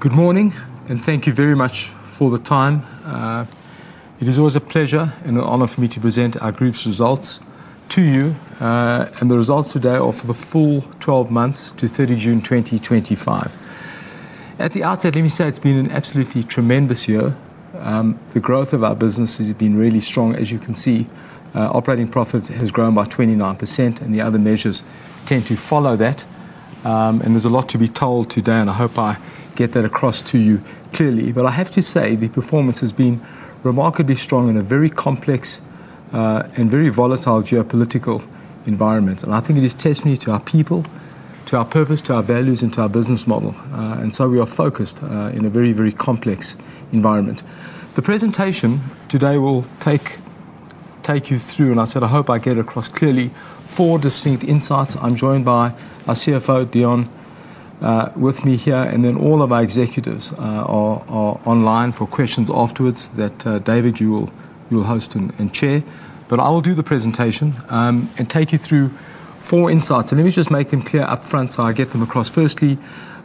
Good morning, and thank you very much for the time. It is always a pleasure and an honor for me to present our group's results to you. The results today are for the full 12 months to 30 June 2025. At the outset, let me say it's been an absolutely tremendous year. The growth of our business has been really strong, as you can see. Operating profit has grown by 29%, and the other measures tend to follow that. There's a lot to be told today, and I hope I get that across to you clearly. I have to say the performance has been remarkably strong in a very complex and very volatile geopolitical environment. I think it is testament to our people, to our purpose, to our values, and to our business model. We are focused in a very, very complex environment. The presentation today will take you through, and I said I hope I get it across clearly, four distinct insights. I'm joined by our CFO, Deon, with me here, and then all of our executives are online for questions afterwards that David, you will host and chair. I will do the presentation and take you through four insights. Let me just make them clear upfront so I get them across. Firstly,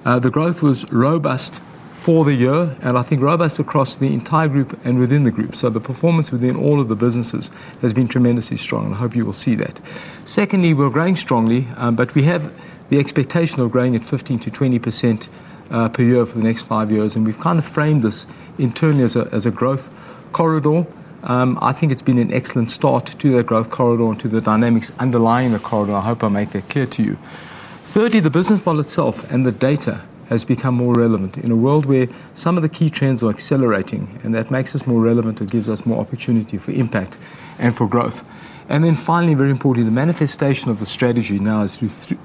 the growth was robust for the year, and I think robust across the entire group and within the group. The performance within all of the businesses has been tremendously strong. I hope you will see that. Secondly, we're growing strongly, but we have the expectation of growing at 15%-20% per year for the next five years. We've kind of framed this in turn as a growth corridor. I think it's been an excellent start to the growth corridor and to the dynamics underlying the corridor. I hope I make that clear to you. Thirdly, the business model itself and the data has become more relevant in a world where some of the key trends are accelerating, and that makes us more relevant and gives us more opportunity for impact and for growth. Finally, very importantly, the manifestation of the strategy now is through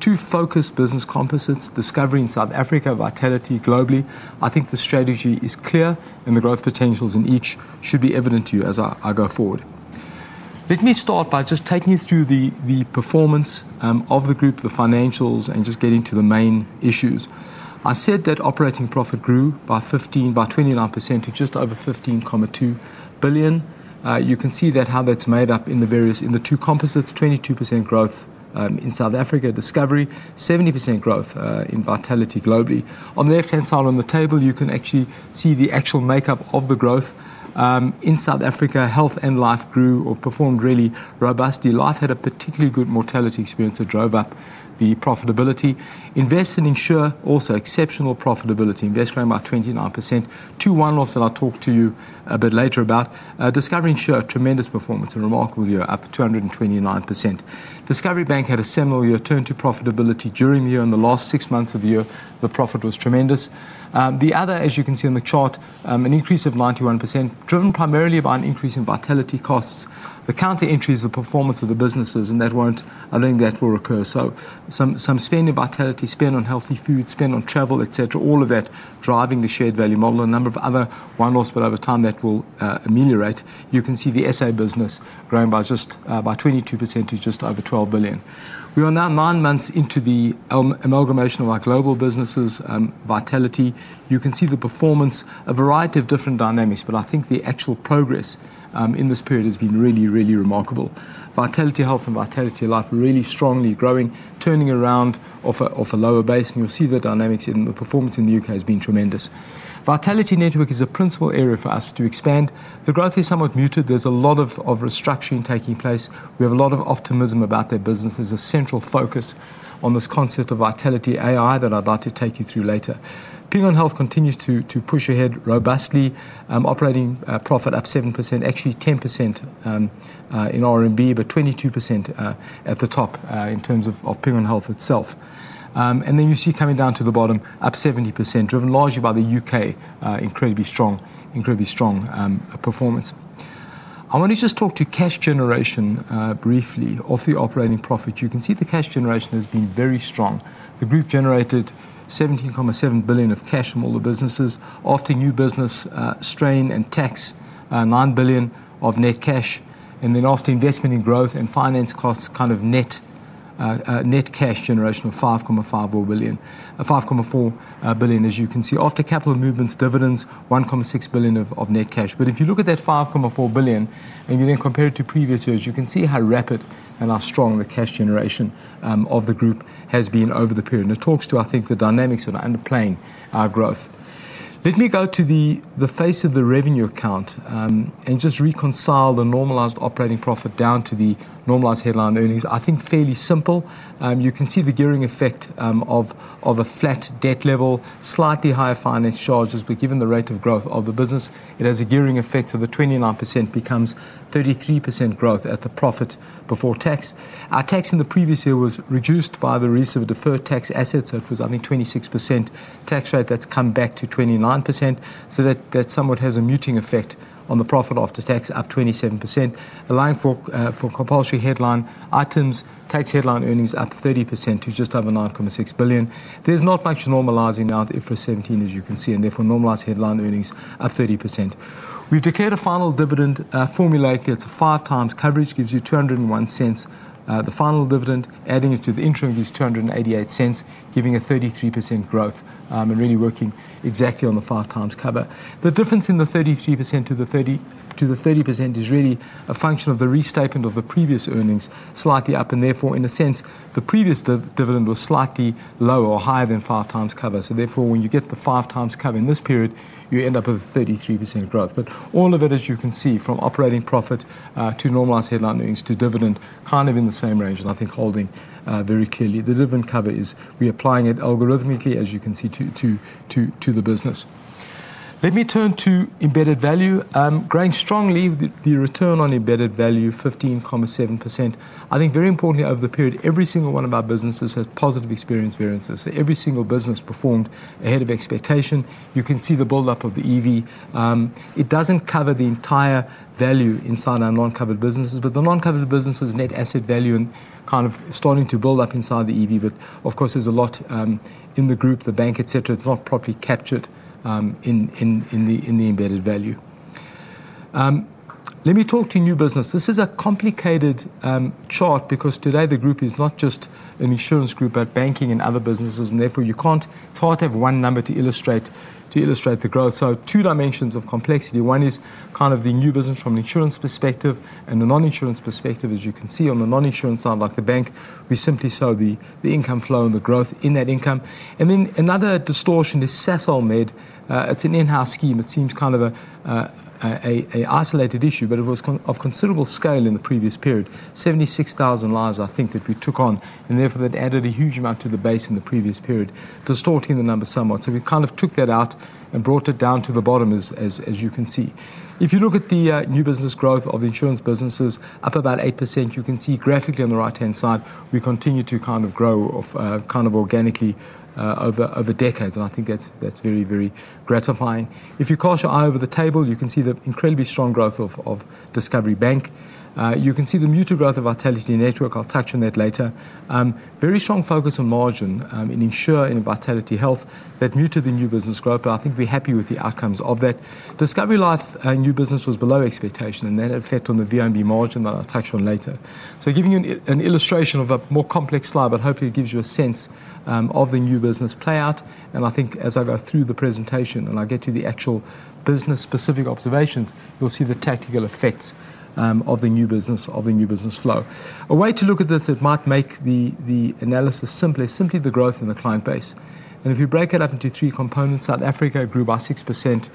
two focused business composites: Discovery in South Africa, Vitality globally. I think the strategy is clear, and the growth potentials in each should be evident to you as I go forward. Let me start by just taking you through the performance of the group, the financials, and just getting to the main issues. I said that operating profit grew by 29% to just over 15.2 billion. You can see how that's made up in the various two composites: 22% growth in South Africa, Discovery, 70% growth in Vitality globally. On the left-hand side on the table, you can actually see the actual makeup of the growth. In South Africa, Health and Life grew or performed really robustly. Life had a particularly good mortality experience that drove up the profitability. Invest and Insure also had exceptional profitability, Invest growing by 29%. Two one losses that I'll talk to you a bit later about. Discovery and Insure, tremendous performance in a remarkable year, up to 229%. Discovery Bank had a similar year, turned to profitability during the year. In the last six months of the year, the profit was tremendous. The other, as you can see on the chart, an increase of 91%, driven primarily by an increase in Vitality costs. The counter entry is the performance of the businesses, and that weren't, I think that will recur. Some spend in Vitality, spend on healthy food, spend on travel, et cetera, all of that driving the shared value model, a number of other one loss, but over time that will ameliorate. You can see the SA business growing by just by 22% to just over 12 billion. We are now nine months into the amalgamation of our global businesses, Vitality. You can see the performance, a variety of different dynamics, but I think the actual progress in this period has been really, really remarkable. Vitality Health and Vitality Life are really strongly growing, turning it around off a lower base, and you'll see the dynamics in the performance in the U.K. has been tremendous. Vitality Network is a principal area for us to expand. The growth is somewhat muted. There's a lot of restructuring taking place. We have a lot of optimism about their business. There's a central focus on this concept of Vitality AI that I'd like to take you through later. Ping An Health continues to push ahead robustly, operating profit up 7%, actually 10% in CNY, but 22% at the top in terms of Ping An Health itself. Then you see coming down to the bottom, up 70%, driven largely by the U.K., incredibly strong, incredibly strong performance. I want to just talk to cash generation briefly off the operating profit. You can see the cash generation has been very strong. The group generated 17.7 billion of cash from all the businesses, after new business strain and tax, 9 billion of net cash, and then after investment in growth and finance costs, kind of net cash generation of 5.4 billion. 5.4 billion, as you can see, after capital movements, dividends, 1.6 billion of net cash. If you look at that 5.4 billion and you then compare it to previous years, you can see how rapid and how strong the cash generation of the group has been over the period. It talks to, I think, the dynamics that are underplaying our growth. Let me go to the face of the revenue account and just reconcile the normalized operating profit down to the normalized headline earnings. I think fairly simple. You can see the gearing effect of a flat debt level, slightly higher finance charges, but given the rate of growth of the business, it has a gearing effect so the 29% becomes 33% growth at the profit before tax. Our tax in the previous year was reduced by the release of a deferred tax asset, so it was, I think, 26% tax rate. That's come back to 29%, so that somewhat has a muting effect on the profit after tax, up 27%. Aligned for compulsory headline items, tax headline earnings up 30% to just over 9.6 billion. There's not much normalizing now, the IFRS 17, as you can see, and therefore normalized headline earnings up 30%. We've declared a final dividend formulaic that's a 5x coverage, gives you 2.01. The final dividend, adding it to the interim, gives 2.88, giving a 33% growth and really working exactly on the 5x cover. The difference in the 33% to the 30% is really a function of the restatement of the previous earnings, slightly up, and therefore, in a sense, the previous dividend was slightly lower or higher than 5x cover. Therefore, when you get the 5x cover in this period, you end up with 33% growth. All of it, as you can see, from operating profit to normalized headline earnings to dividend, kind of in the same range, and I think holding very clearly. The dividend cover is reapplying it algorithmically, as you can see, to the business. Let me turn to embedded value. Growing strongly, the return on embedded value, 15.7%. I think very importantly over the period, every single one of our businesses has positive experience variances. Every single business performed ahead of expectation. You can see the buildup of the EV. It doesn't cover the entire value inside our non-covered businesses, but the non-covered businesses' net asset value and kind of starting to build up inside the EV. Of course, there's a lot in the group, the bank, et cetera. It's not properly captured in the embedded value. Let me talk to new business. This is a complicated chart because today the group is not just an insurance group, but banking and other businesses, and therefore you can't sort of have one number to illustrate the growth. Two dimensions of complexity. One is kind of the new business from an insurance perspective and the non-insurance perspective. As you can see, on the non-insurance side, like the bank, we simply sell the income flow and the growth in that income. Another distortion is SESOL-MED. It's an in-house scheme. It seems kind of an isolated issue, but it was of considerable scale in the previous period. 76,000 lines, I think, that we took on, and therefore that added a huge amount to the base in the previous period, distorting the number somewhat. We kind of took that out and brought it down to the bottom, as you can see. If you look at the new business growth of insurance businesses, up about 8%, you can see graphically on the right-hand side, we continue to kind of grow kind of organically over decades, and I think that's very, very gratifying. If you cast your eye over the table, you can see the incredibly strong growth of Discovery Bank. You can see the muted growth of Vitality Network. I'll touch on that later. Very strong focus on margin in Insure and Vitality Health that muted the new business growth, but I think we're happy with the outcomes of that. Discovery Life new business was below expectation, and that affected the VMB margin that I'll touch on later. Giving you an illustration of a more complex slide, but hopefully it gives you a sense of the new business playout. I think as I go through the presentation and I get to the actual business-specific observations, you'll see the tactical effects of the new business flow. A way to look at this that might make the analysis simpler, simply the growth in the client base. If you break it up into three components, South Africa grew by 6%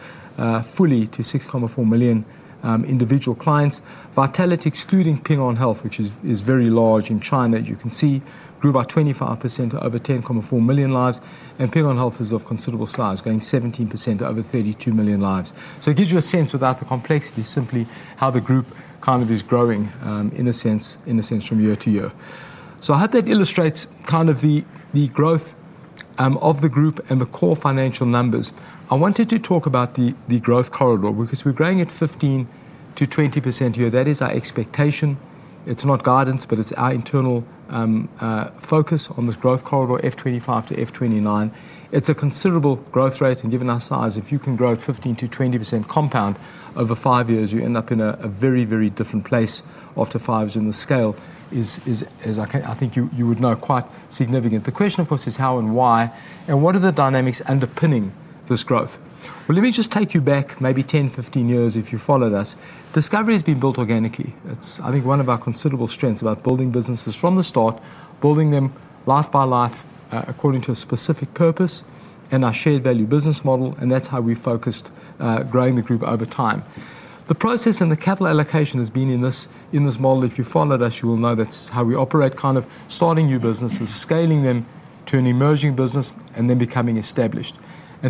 fully to 6.4 million individual clients. Vitality, excluding Ping An Health, which is very large in China, you can see, grew by 25% to over 10.4 million lives, and Ping An Health is of considerable size, growing 17% to over 32 million lives. It gives you a sense, without the complexity, simply how the group kind of is growing in a sense from year-to-year. I hope that illustrates kind of the growth of the group and the core financial numbers. I wanted to talk about the growth corridor because we're growing at 15-20% here. That is our expectation. It's not guidance, but it's our internal focus on this growth corridor, F2025-F2029. It's a considerable growth rate, and given our size, if you can grow 15-20% compound over five years, you end up in a very, very different place after five years in the scale, as I think you would know, quite significant. The question, of course, is how and why, and what are the dynamics underpinning this growth? Let me just take you back maybe 10, 15 years if you followed us. Discovery has been built organically. I think one of our considerable strengths is about building businesses from the start, building them life by life according to a specific purpose and our shared value business model, and that's how we focused growing the group over time. The process and the capital allocation has been in this model. If you followed us, you will know that's how we operate, kind of starting new businesses, scaling them to an emerging business, and then becoming established.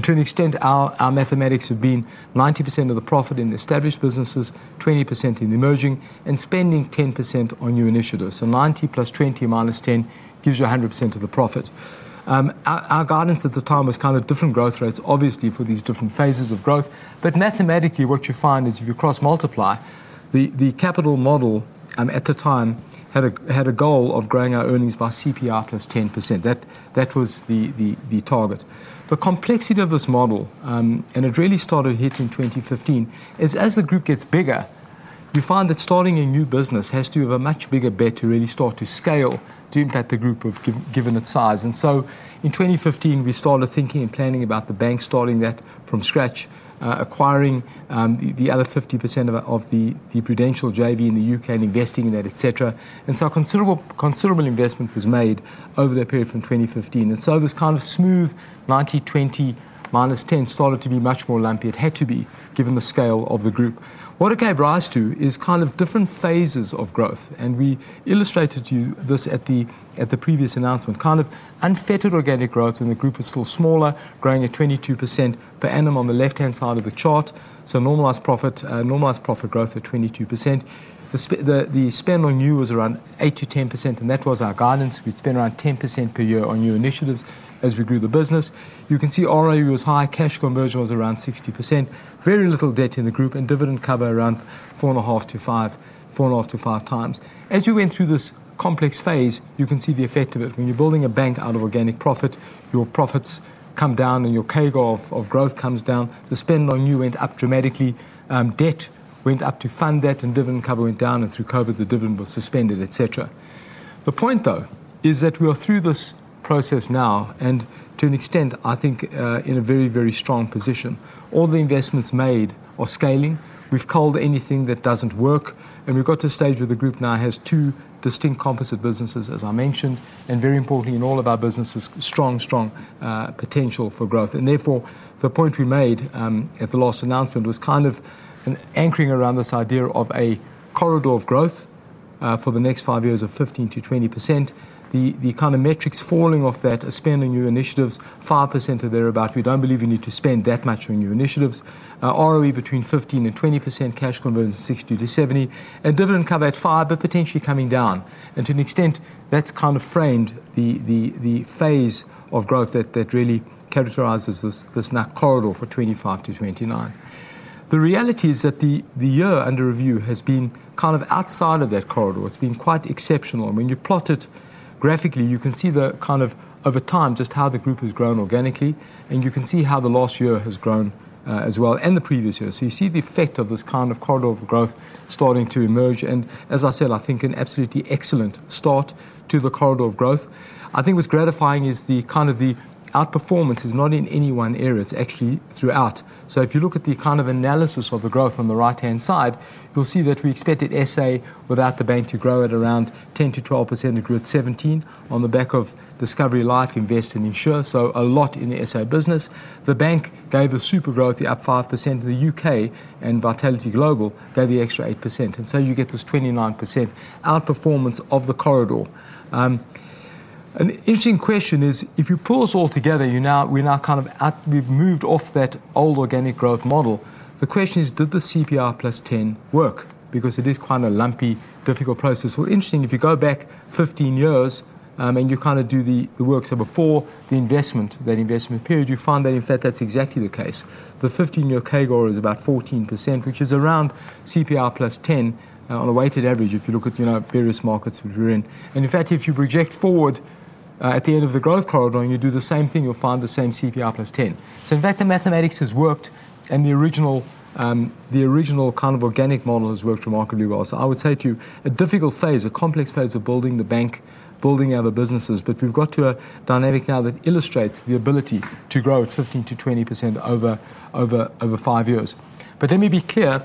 To an extent, our mathematics have been 90% of the profit in the established businesses, 20% in the emerging, and spending 10% on new initiatives. So 90 + 20 - 10 gives you 100% of the profit. Our guidance at the time was kind of different growth rates, obviously, for these different phases of growth. Mathematically, what you find is if you cross-multiply, the capital model at the time had a goal of growing our earnings by CPI + 10%. That was the target. The complexity of this model, and it really started hitting 2015, is as the group gets bigger, you find that starting a new business has to have a much bigger bet to really start to scale to impact the group given its size. In 2015, we started thinking and planning about the bank, starting that from scratch, acquiring the other 50% of the Prudential JV in the U.K. and investing in that, et cetera. Considerable investment was made over that period from 2015. This kind of smooth 90-20% - 10 started to be much more lumpy. It had to be, given the scale of the group. What it gave rise to is kind of different phases of growth. We illustrated to you this at the previous announcement, kind of unfettered organic growth when the group was still smaller, growing at 22% per annum on the left-hand side of the chart. Normalized profit growth at 22%. The spend on new initiatives was around 8-10%, and that was our guidance. We spent around 10% per year on new initiatives as we grew the business. You can see ROE was high, cash conversion was around 60%, very little debt in the group, and dividend cover around 4.5-5x, 4.5-5x. As you went through this complex phase, you can see the effect of it. When you're building a bank out of organic profit, your profits come down and your CAGR of growth comes down. The spend on new initiatives went up dramatically, debt went up to fund debt, and dividend cover went down. Through COVID, the dividend was suspended, etc. The point is that we are through this process now, and to an extent, I think in a very, very strong position. All the investments made are scaling. We've culled anything that doesn't work, and we've got to a stage where the group now has two distinct composite businesses, as I mentioned, and very importantly, in all of our businesses, strong, strong potential for growth. Therefore, the point we made at the last announcement was kind of an anchoring around this idea of a corridor of growth for the next five years of 15-20%. The kind of metrics falling off that are spend on new initiatives, 5% or thereabout. We don't believe you need to spend that much on new initiatives. ROE between 15-20%, cash conversion 60-70%, and dividend cover at 5%, but potentially coming down. To an extent, that's kind of framed the phase of growth that really characterizes this corridor for 2025 to 2029. The reality is that the year under review has been kind of outside of that corridor. It's been quite exceptional. When you plot it graphically, you can see over time just how the group has grown organically, and you can see how the last year has grown as well, and the previous year. You see the effect of this kind of corridor of growth starting to emerge. I think an absolutely excellent start to the corridor of growth. What's gratifying is the outperformance is not in any one area. It's actually throughout. If you look at the kind of analysis of the growth on the right-hand side, you'll see that we expected South Africa without the bank to grow at around 10-12%. It grew at 17% on the back of Discovery Life, Discovery Invest, and Discovery Insure. A lot in the South Africa business. The bank gave us super growth, the up 5% in the U.K., and Vitality Global gave the extra 8%. You get this 29% outperformance of the corridor. An interesting question is, if you pull us all together, we're now kind of out, we've moved off that old organic growth model. The question is, did the CPR + 10% work? It is quite a lumpy, difficult process. Interesting, if you go back 15 years and you kind of do the work before the investment, that investment period, you find that in fact, that's exactly the case. The 15-year CAGR is about 14%, which is around CPR + 10% on a weighted average if you look at various markets we were in. In fact, if you project forward at the end of the growth corridor and you do the same thing, you'll find the same CPR + 10%. The mathematics has worked, and the original kind of organic model has worked remarkably well. I would say to you, a difficult phase, a complex phase of building the bank, building out the businesses, but we've got to a dynamic now that illustrates the ability to grow at 15-20% over five years. Let me be clear,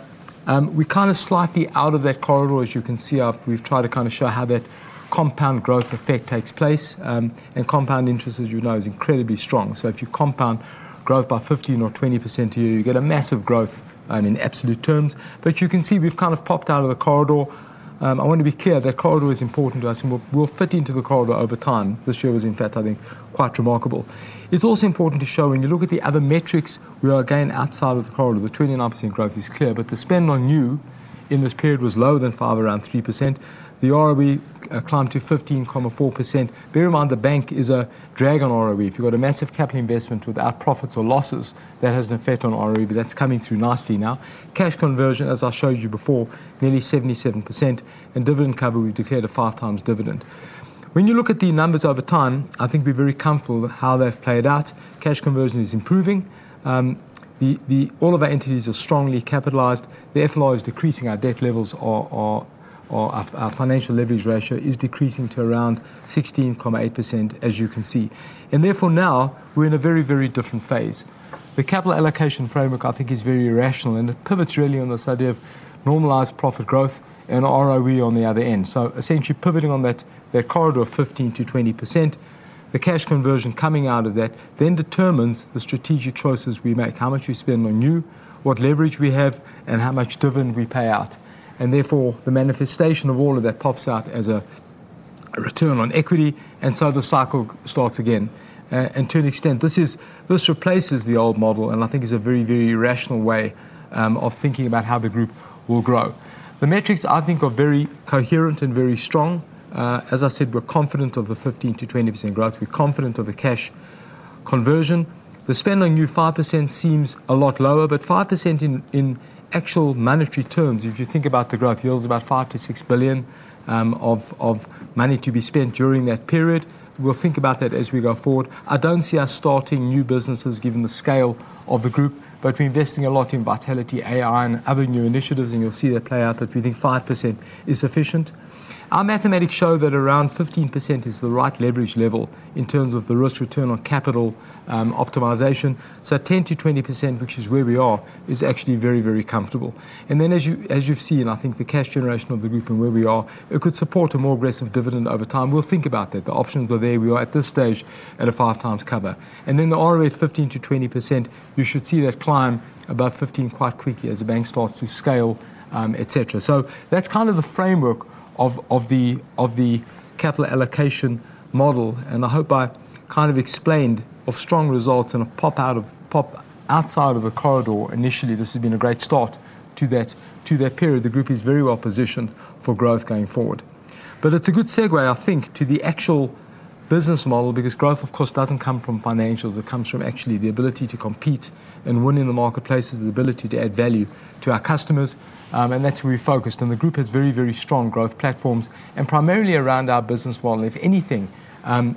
we're kind of slightly out of that corridor, as you can see. We've tried to show how that compound growth effect takes place, and compound interest, as you know, is incredibly strong. If you compound growth by 15-20% a year, you get a massive growth in absolute terms. You can see we've kind of popped out of the corridor. I want to be clear, that corridor is important to us, and we'll fit into the corridor over time. This year was, in fact, I think, quite remarkable. It's also important to show when you look at the other metrics, we are again outside of the corridor. The 29% growth is clear, but the spend on you in this period was lower than 5%, around 3%. The ROE climbed to 15.4%. Bear in mind, the bank is a drag on ROE. If you've got a massive capital investment without profits or losses, that has an effect on ROE, but that's coming through nicely now. Cash conversion, as I showed you before, nearly 77%, and dividend cover, we've declared a five times dividend. When you look at the numbers over time, I think we're very comfortable with how they've played out. Cash conversion is improving. All of our entities are strongly capitalized. The FLI is decreasing. Our debt levels, our financial leverage ratio is decreasing to around 16.8%, as you can see. Therefore, now we're in a very, very different phase. The capital allocation framework, I think, is very rational, and it pivots really on this idea of normalized profit growth and ROE on the other end. Essentially pivoting on that corridor of 15-20%, the cash conversion coming out of that then determines the strategic choices we make, how much we spend on you, what leverage we have, and how much dividend we pay out. Therefore, the manifestation of all of that pops out as a return on equity, and the cycle starts again. To an extent, this replaces the old model, and I think it's a very, very rational way of thinking about how the group will grow. The metrics, I think, are very coherent and very strong. As I said, we're confident of the 15-20% growth. We're confident of the cash conversion. The spend on you, 5% seems a lot lower, but 5% in actual monetary terms, if you think about the growth, yields about 5 billion-6 billion of money to be spent during that period. We'll think about that as we go forward. I don't see us starting new businesses given the scale of the group, but we're investing a lot in Vitality AI and other new initiatives, and you'll see that play out that we think 5% is sufficient. Our mathematics show that around 15% is the right leverage level in terms of the risk return on capital optimization. So 10-20%, which is where we are, is actually very, very comfortable. As you've seen, I think the cash generation of the group and where we are, it could support a more aggressive dividend over time. We'll think about that. The options are there. We are at this stage at a 5x cover. The ROE at 15-20%, you should see that climb above 15% quite quickly as the bank starts to scale, et cetera. That's kind of the framework of the capital allocation model. I hope I kind of explained of strong results and a pop out of pop outside of the corridor initially. This has been a great start to that period. The group is very well positioned for growth going forward. It's a good segue, I think, to the actual business model because growth, of course, doesn't come from financials. It comes from actually the ability to compete and win in the marketplace, the ability to add value to our customers. That's where we focused. The group has very, very strong growth platforms, primarily around our business model. If anything,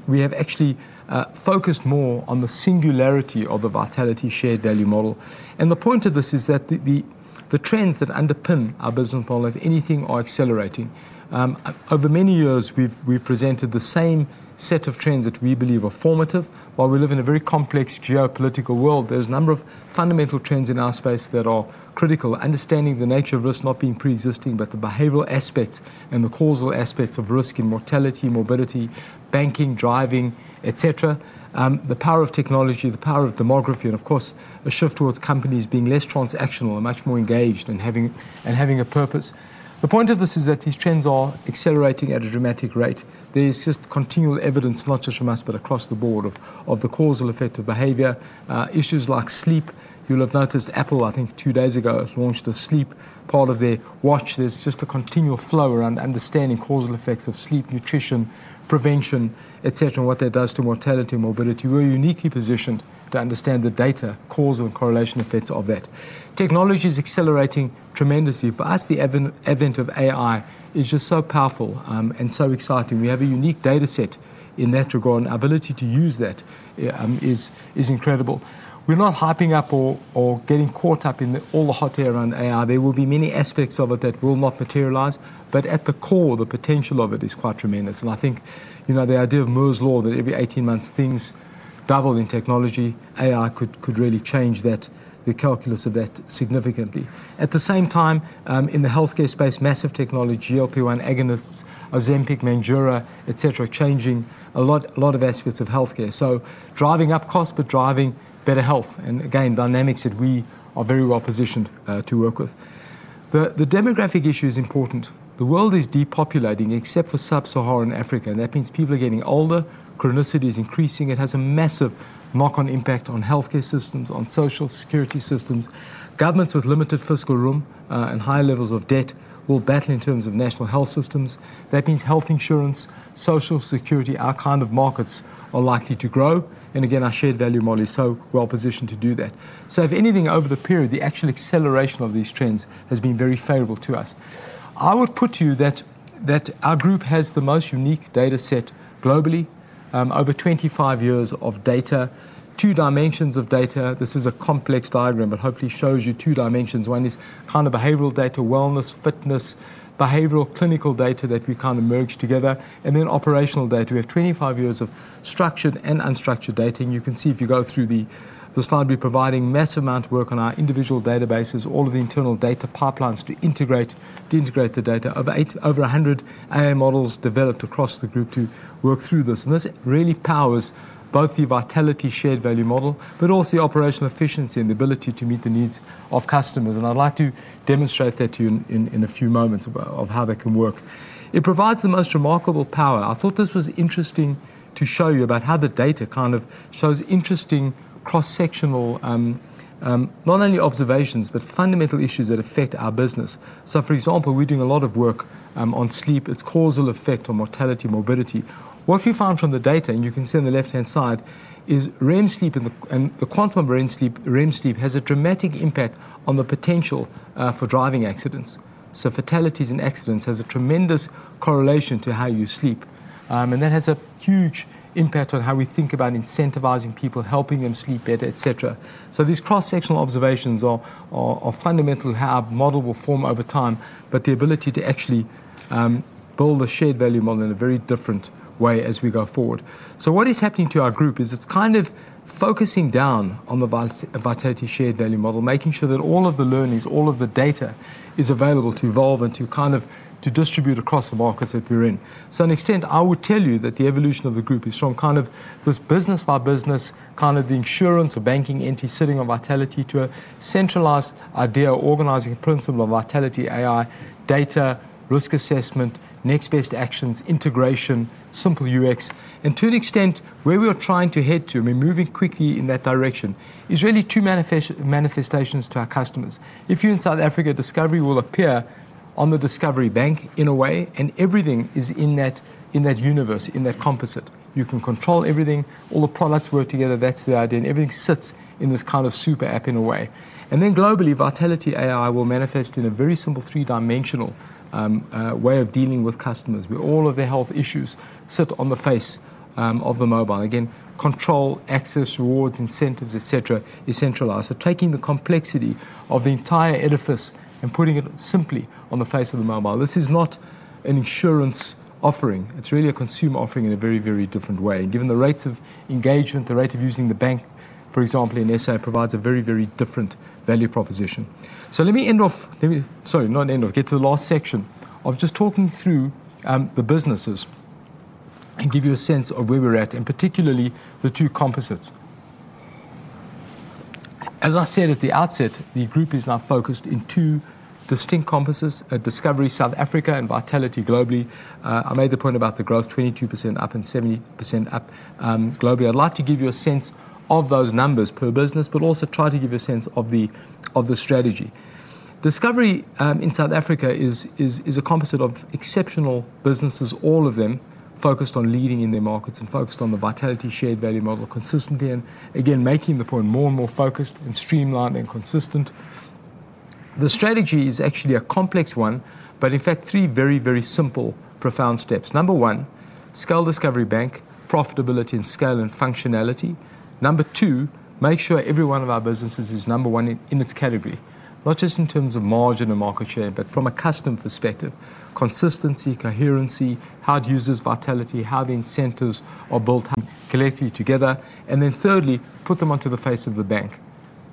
we have actually focused more on the singularity of the Vitality shared value model. The point of this is that the trends that underpin our business model, if anything, are accelerating. Over many years, we've presented the same set of trends that we believe are formative. While we live in a very complex geopolitical world, there are a number of fundamental trends in our space that are critical. Understanding the nature of risk not being pre-existing, but the behavioral aspects and the causal aspects of risk in mortality, morbidity, banking, driving, etc., the power of technology, the power of demography, and of course, a shift towards companies being less transactional and much more engaged and having a purpose. The point of this is that these trends are accelerating at a dramatic rate. There is just continual evidence, not just from us, but across the board of the causal effect of behavior. Issues like sleep, you'll have noticed Apple, I think, two days ago, launched a sleep part of their watch. There is just a continual flow around understanding causal effects of sleep, nutrition, prevention, etc., and what that does to mortality, morbidity. We're uniquely positioned to understand the data, causal correlation effects of that. Technology is accelerating tremendously. For us, the event of AI is just so powerful and so exciting. We have a unique data set in that regard, and our ability to use that is incredible. We're not hyping up or getting caught up in all the hot air around AI. There will be many aspects of it that will not materialize, but at the core, the potential of it is quite tremendous. I think the idea of Moore's law that every 18 months, things double in technology, AI could really change the calculus of that significantly. At the same time, in the healthcare space, massive technology, GLP-1 agonists, Ozempic, Manjura, etc., changing a lot of aspects of healthcare. Driving up cost, but driving better health. Again, dynamics that we are very well positioned to work with. The demographic issue is important. The world is depopulating, except for sub-Saharan Africa. That means people are getting older, chronicity is increasing. It has a massive knock-on impact on healthcare systems, on social security systems. Governments with limited fiscal room and high levels of debt will bat in terms of national health systems. That means health insurance, social security, our kind of markets are likely to grow. Our shared value model is so well positioned to do that. If anything, over the period, the actual acceleration of these trends has been very favorable to us. I would put to you that our group has the most unique data set globally, over 25 years of data, two dimensions of data. This is a complex diagram, but hopefully shows you two dimensions. One is kind of behavioral data, wellness, fitness, behavioral clinical data that we kind of merge together, and then operational data. We have 25 years of structured and unstructured data. You can see if you go through the slide, we're providing a massive amount of work on our individual databases, all of the internal data pipelines to integrate the data. Over 100 AI models developed across the group to work through this. This really powers both the Vitality shared value model, but also the operational efficiency and the ability to meet the needs of customers. I'd like to demonstrate that to you in a few moments of how that can work. It provides the most remarkable power. I thought this was interesting to show you about how the data kind of shows interesting cross-sectional, not only observations, but fundamental issues that affect our business. For example, we're doing a lot of work on sleep, its causal effect on mortality and morbidity. What we find from the data, and you can see on the left-hand side, is REM sleep and the quantum of REM sleep has a dramatic impact on the potential for driving accidents. Fatalities and accidents have a tremendous correlation to how you sleep. That has a huge impact on how we think about incentivizing people, helping them sleep better, et cetera. These cross-sectional observations are fundamental to how our model will form over time, but the ability to actually build a shared value model in a very different way as we go forward. What is happening to our group is it's kind of focusing down on the Vitality shared value model, making sure that all of the learnings, all of the data is available to evolve and to kind of distribute across the markets that we're in. To an extent, I would tell you that the evolution of the group is from kind of this business by business, kind of the insurance or banking entity sitting on Vitality to a centralized idea of organizing a principle of Vitality AI, data, risk assessment, next best actions, integration, simple UX. To an extent, where we are trying to head to, and we're moving quickly in that direction, is really two manifestations to our customers. If you're in South Africa, Discovery will appear on the Discovery Bank in a way, and everything is in that universe, in that composite. You can control everything. All the products work together. That's the idea. Everything sits in this kind of super app in a way. Globally, Vitality AI will manifest in a very simple three-dimensional way of dealing with customers, where all of their health issues sit on the face of the mobile. Again, control, access, rewards, incentives, etc., is centralized. Taking the complexity of the entire edifice and putting it simply on the face of the mobile. This is not an insurance offering. It's really a consumer offering in a very, very different way. Given the rates of engagement, the rate of using the bank, for example, in South Africa provides a very, very different value proposition. Let me get to the last section of just talking through the businesses and give you a sense of where we're at, and particularly the two composites. As I said at the outset, the group is now focused in two distinct composites: Discovery South Africa and Vitality globally. I made the point about the growth, 22% up and 70% up globally. I'd like to give you a sense of those numbers per business, but also try to give you a sense of the strategy. Discovery in South Africa is a composite of exceptional businesses, all of them focused on leading in their markets and focused on the Vitality shared value model consistently. Making the point, more and more focused and streamlined and consistent. The strategy is actually a complex one, but in fact, three very, very simple, profound steps. Number one, scale Discovery Bank, profitability and scale and functionality. Number two, make sure every one of our businesses is number one in its category, not just in terms of margin and market share, but from a customer perspective, consistency, coherency, how it uses Vitality, how the incentives are built collectively together. Thirdly, put them onto the face of the bank.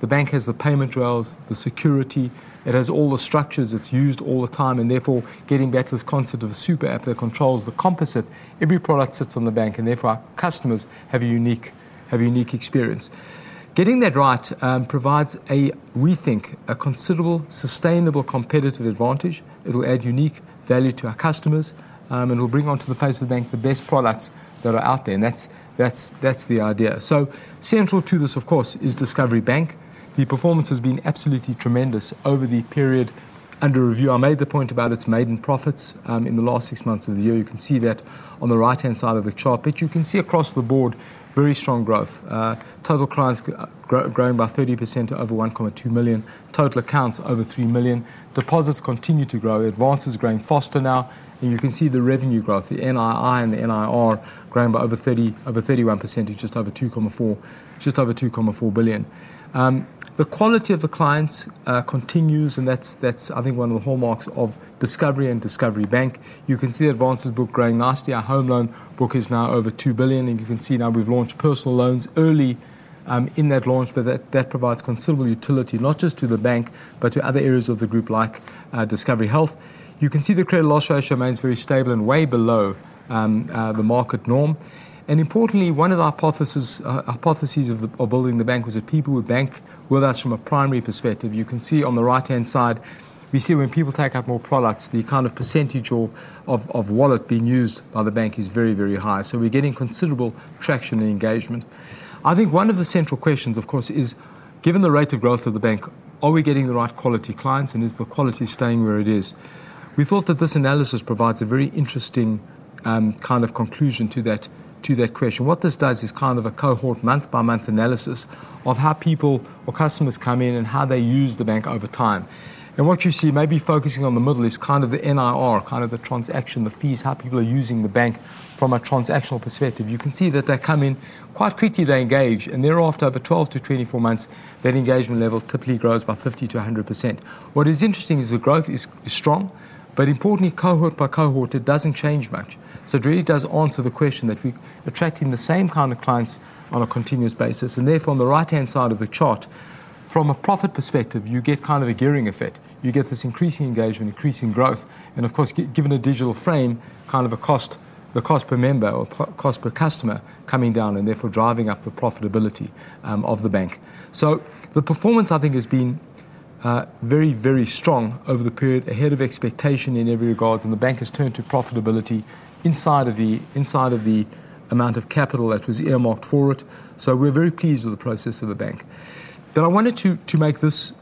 The bank has the payment rails, the security. It has all the structures it's used all the time. Therefore, getting back to this concept of a super app that controls the composite, every product sits on the bank, and our customers have a unique experience. Getting that right provides, we think, a considerable, sustainable, competitive advantage. It'll add unique value to our customers, and it'll bring onto the face of the bank the best products that are out there. That's the idea. Central to this, of course, is Discovery Bank. The performance has been absolutely tremendous over the period under review. I made the point about its made-in profits in the last six months of the year. You can see that on the right-hand side of the chart, but you can see across the board, very strong growth. Total clients grown by 30% to over 1.2 million. Total accounts over 3 million. Deposits continue to grow. The advance is growing faster now. You can see the revenue growth, the NII and the NIR growing by over 31%. It's just over $2.4 billion. The quality of the clients continues, and that's, I think, one of the hallmarks of Discovery and Discovery Bank. You can see advances book growing nicely. Our home loan book is now over 2 billion. We've launched personal loans, early in that launch, but that provides considerable utility, not just to the bank, but to other areas of the group, like Discovery Health. You can see the credit loss ratio remains very stable and way below the market norm. Importantly, one of the hypotheses of building the bank was that people would bank with us from a primary perspective. You can see on the right-hand side, we see when people take up more products, the kind of percentage of wallet being used by the bank is very, very high. We're getting considerable traction and engagement. I think one of the central questions, of course, is given the rate of growth of the bank, are we getting the right quality clients and is the quality staying where it is? We thought that this analysis provides a very interesting kind of conclusion to that question. What this does is kind of a cohort month-by-month analysis of how people or customers come in and how they use the bank over time. What you see, maybe focusing on the middle, is kind of the NIR, kind of the transaction, the fees, how people are using the bank from a transactional perspective. You can see that they come in quite quickly. They engage, and thereafter, over 12-24 months, that engagement level typically grows by 50-100%. What is interesting is the growth is strong, but importantly, cohort by cohort, it doesn't change much. It really does answer the question that we're attracting the same kind of clients on a continuous basis. Therefore, on the right-hand side of the chart, from a profit perspective, you get kind of a gearing effect. You get this increasing engagement, increasing growth, and of course, given a digital frame, kind of the cost per member or cost per customer coming down, and therefore driving up the profitability of the bank. The performance, I think, has been very, very strong over the period, ahead of expectation in every regard, and the bank has turned to profitability inside of the amount of capital that was earmarked for it. We're very pleased with the process of the bank. I wanted to make this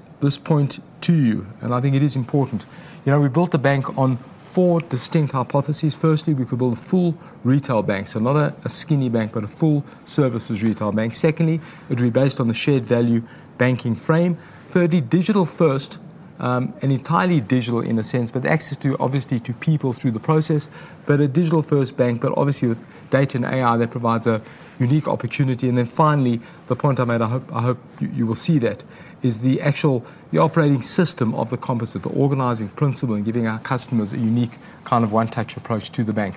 point to you, and I think it is important. We built a bank on four distinct hypotheses. Firstly, we could build a full retail bank, so not a skinny bank, but a full services retail bank. Secondly, it would be based on the shared value banking frame. Thirdly, digital first, and entirely digital in a sense, but access to, obviously, to people through the process, but a digital-first bank, but obviously with data and AI that provides a unique opportunity. Finally, the point I made, I hope you will see that, is the actual, the operating system of the composite, the organizing principle, and giving our customers a unique kind of one-touch approach to the bank.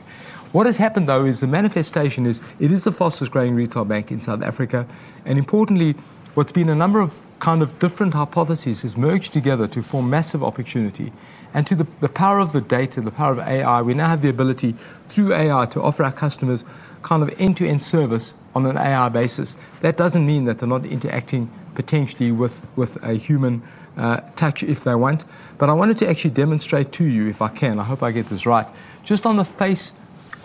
What has happened, though, is the manifestation is it is the fastest growing retail bank in South Africa. Importantly, what's been a number of kind of different hypotheses has merged together to form massive opportunity. To the power of the data and the power of AI, we now have the ability through AI to offer our customers kind of end-to-end service on an AI basis. That doesn't mean that they're not interacting potentially with a human touch if they want. I wanted to actually demonstrate to you, if I can, I hope I get this right, just on the face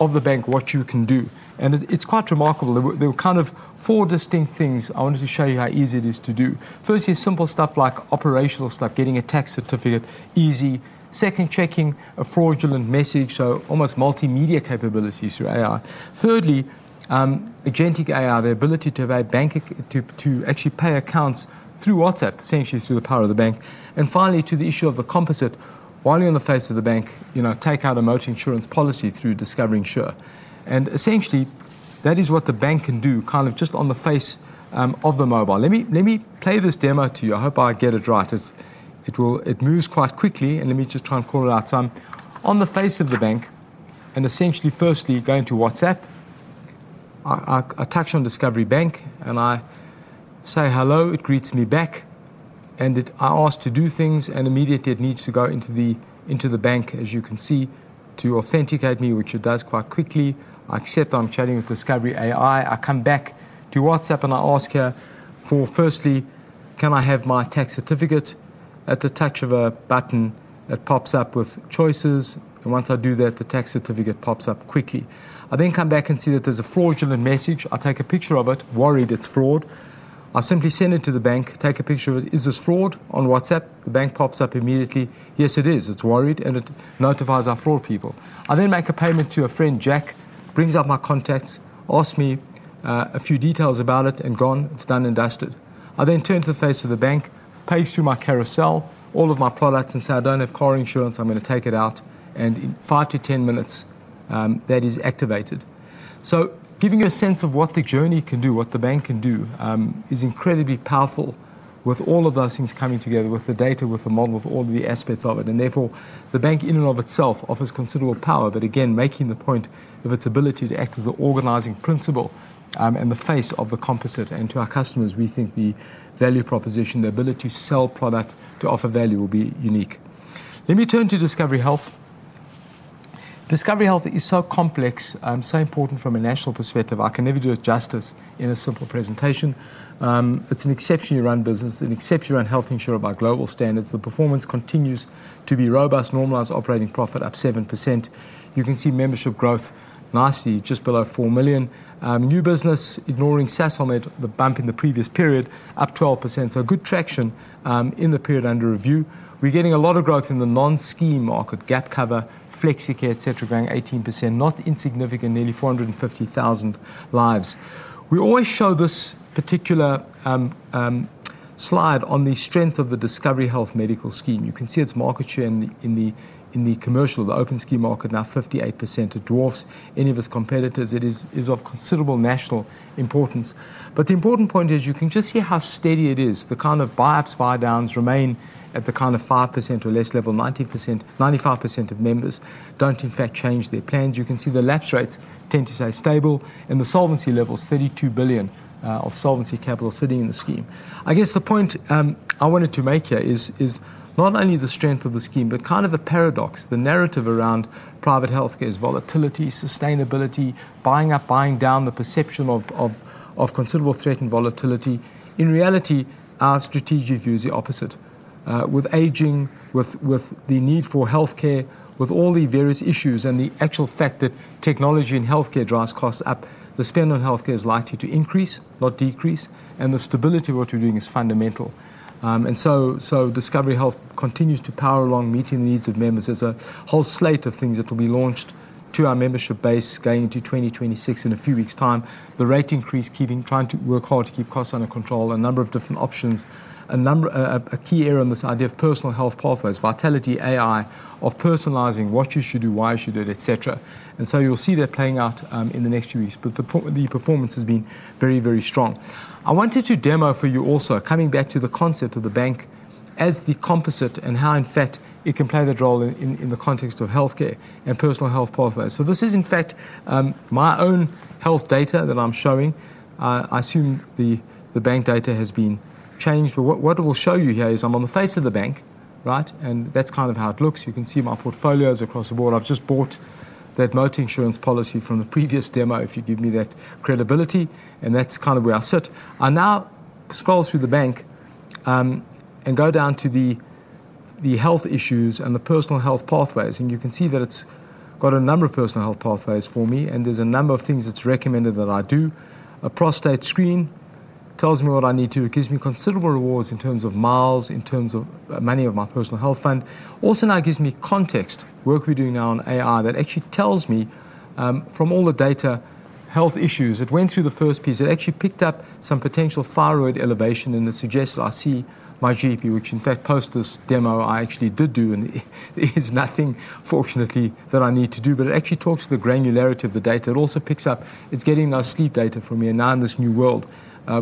of the bank, what you can do. It's quite remarkable. There were kind of four distinct things I wanted to show you how easy it is to do. Firstly, simple stuff like operational stuff, getting a tax certificate easy. Second, checking a fraudulent message, almost multimedia capabilities through AI. Thirdly, agentic AI, the ability to actually pay accounts through WhatsApp, essentially through the power of the bank. Finally, to the issue of the composite, while you're on the face of the bank, you know, take out a motor insurance policy through Discovery Insure. Essentially, that is what the bank can do, kind of just on the face of the mobile. Let me play this demo to you. I hope I get it right. It moves quite quickly, and let me just try and call it out. I'm on the face of the bank, and essentially, firstly, going to WhatsApp, I touch on Discovery Bank, and I say hello. It greets me back, and I ask to do things, and immediately it needs to go into the bank, as you can see, to authenticate me, which it does quite quickly. I accept I'm chatting with Discovery AI. I come back to WhatsApp, and I ask her for, firstly, can I have my tax certificate? At the touch of a button, it pops up with choices. Once I do that, the tax certificate pops up quickly. I then come back and see that there's a fraudulent message. I take a picture of it, worried it's fraud. I simply send it to the bank, take a picture of it. Is this fraud? On WhatsApp, the bank pops up immediately. Yes, it is. It's worried, and it notifies our fraud people. I then make a payment to a friend, Jack, brings up my contacts, asks me a few details about it, and gone. It's done and dusted. I then turn to the face of the bank, pay through my carousel, all of my products, and say I don't have car insurance. I'm going to take it out. In five to ten minutes, that is activated. Giving you a sense of what the journey can do, what the bank can do, is incredibly powerful with all of those things coming together, with the data, with the model, with all the aspects of it. Therefore, the bank in and of itself offers considerable power, again, making the point of its ability to act as an organizing principle and the face of the composite. To our customers, we think the value proposition, the ability to sell products, to offer value will be unique. Let me turn to Discovery Health. Discovery Health is so complex, so important from a national perspective. I can never do it justice in a simple presentation. It's an exceptionally run business, an exceptionally run health insurer by global standards. The performance continues to be robust, normalized operating profit up 7%. You can see membership growth nicely, just below 4 million. New business, ignoring SESOL-MED, the bump in the previous period, up 12%. Good traction in the period under review. We're getting a lot of growth in the non-scheme market, Gap Cover, Flexicare, et cetera, growing 18%, not insignificant, nearly 450,000 lives. We always show this particular slide on the strength of the Discovery Health medical scheme. You can see its market share in the commercial, the open scheme market, now 58%. It dwarfs any of its competitors. It is of considerable national importance. The important point is you can just hear how steady it is. The kind of buy-ups, buy-downs remain at the kind of 5% or less level. 90%, 95% of members don't, in fact, change their plans. You can see the lapse rates tend to stay stable, and the solvency levels, 32 billion of solvency capital sitting in the scheme. I guess the point I wanted to make here is not only the strength of the scheme, but kind of the paradox, the narrative around private healthcare's volatility, sustainability, buying up, buying down, the perception of considerable threat and volatility. In reality, our strategic view is the opposite. With aging, with the need for healthcare, with all the various issues, and the actual fact that technology and healthcare drives costs up, the spend on healthcare is likely to increase, not decrease. The stability of what we're doing is fundamental. Discovery Health continues to power along, meeting the needs of members. There's a whole slate of things that will be launched to our membership base, going into 2026 in a few weeks' time. The rate increase, keeping trying to work hard to keep costs under control, a number of different options, a key area in this idea of personal health pathways, Vitality AI, of personalizing what you should do, why you should do it, et cetera. You'll see that playing out in the next few weeks. The performance has been very, very strong. I wanted to demo for you also, coming back to the concept of the bank as the composite and how, in fact, it can play that role in the context of healthcare and personal health pathways. This is, in fact, my own health data that I'm showing. I assume the bank data has been changed, but what it will show you here is I'm on the face of the bank, right? That's kind of how it looks. You can see my portfolios across the board. I've just bought that motor insurance policy from the previous demo if you give me that credibility. That's kind of where I sit. I now scroll through the bank and go down to the health issues and the personal health pathways. You can see that it's got a number of personal health pathways for me, and there's a number of things that's recommended that I do. A prostate screen tells me what I need to do. It gives me considerable rewards in terms of miles, in terms of money of my personal health fund. Also, now it gives me context. Work we're doing now on AI that actually tells me, from all the data health issues, it went through the first piece. It actually picked up some potential thyroid elevation and suggested I see my GP, which, in fact, post this demo, I actually did do. It is nothing, fortunately, that I need to do, but it actually talks to the granularity of the data. It also picks up, it's getting those sleep data from me. Now in this new world,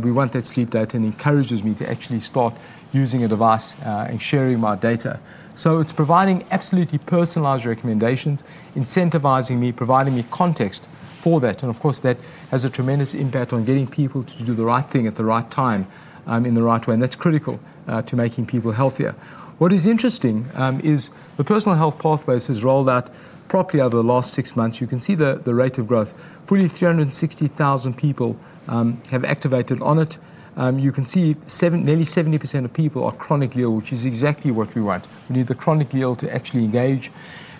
we want that sleep data and it encourages me to actually start using a device and sharing my data. It's providing absolutely personalized recommendations, incentivizing me, providing me context for that. Of course, that has a tremendous impact on getting people to do the right thing at the right time in the right way. That's critical to making people healthier. What is interesting is the personal health pathways has rolled out properly over the last six months. You can see the rate of growth. Fully, 360,000 people have activated on it. You can see nearly 70% of people are chronically ill, which is exactly what we want. We need the chronically ill to actually engage.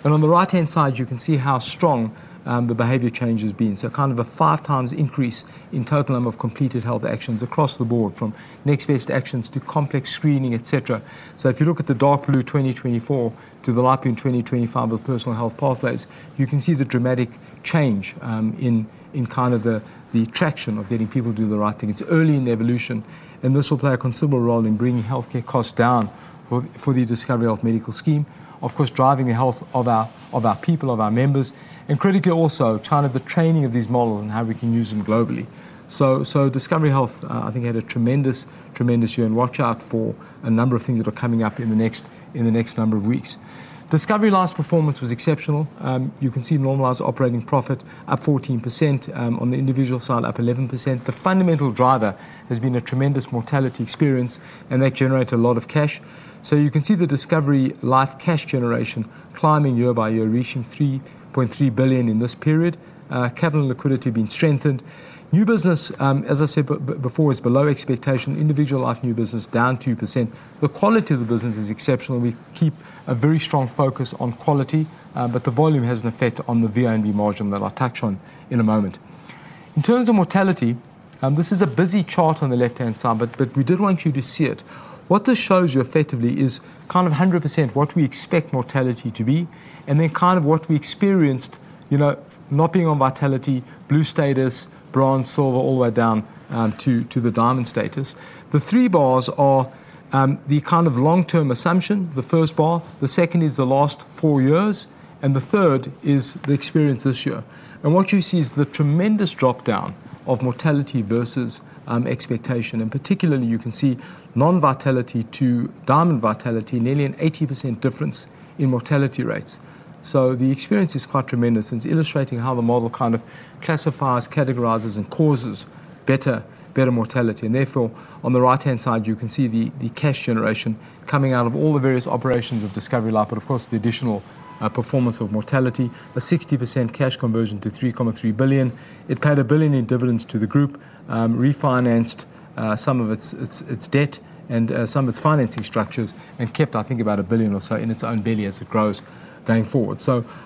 On the right-hand side, you can see how strong the behavior change has been. Kind of a five times increase in total number of completed health actions across the board, from next best actions to complex screening, etc. If you look at the dark blue 2024 to the light blue in 2025 with personal health pathways, you can see the dramatic change in kind of the traction of getting people to do the right thing. It's early in the evolution, and this will play a considerable role in bringing healthcare costs down for the Discovery Health medical scheme, of course, driving the health of our people, of our members, and critically also the training of these models and how we can use them globally. Discovery Health, I think, had a tremendous, tremendous year. Watch out for a number of things that are coming up in the next number of weeks. Discovery Life's performance was exceptional. You can see the normalized operating profit up 14%, on the individual side up 11%. The fundamental driver has been a tremendous mortality experience, and that generated a lot of cash. You can see the Discovery Life cash generation climbing year by year, reaching 3.3 billion in this period. Capital liquidity has been strengthened. New business, as I said before, is below expectation. Individual life new business is down 2%. The quality of the business is exceptional. We keep a very strong focus on quality, but the volume has an effect on the VRNB margin that I'll touch on in a moment. In terms of mortality, this is a busy chart on the left-hand side, but we did want you to see it. What this shows you effectively is 100% what we expect mortality to be, and then what we experienced, not being on Vitality, blue status, bronze, silver, all the way down to the diamond status. The three bars are the long-term assumption. The first bar, the second is the last four years, and the third is the experience this year. What you see is the tremendous dropdown of mortality versus expectation. Particularly, you can see non-Vitality to diamond Vitality, nearly an 80% difference in mortality rates. The experience is quite tremendous, and it's illustrating how the model classifies, categorizes, and causes better mortality. Therefore, on the right-hand side, you can see the cash generation coming out of all the various operations of Discovery Life, but of course, the additional performance of Mortality, a 60% cash conversion to 3.3 billion. It paid 1 billion in dividends to the group, refinanced some of its debt and some of its financing structures, and kept about 1 billion or so in its own belly as it grows going forward.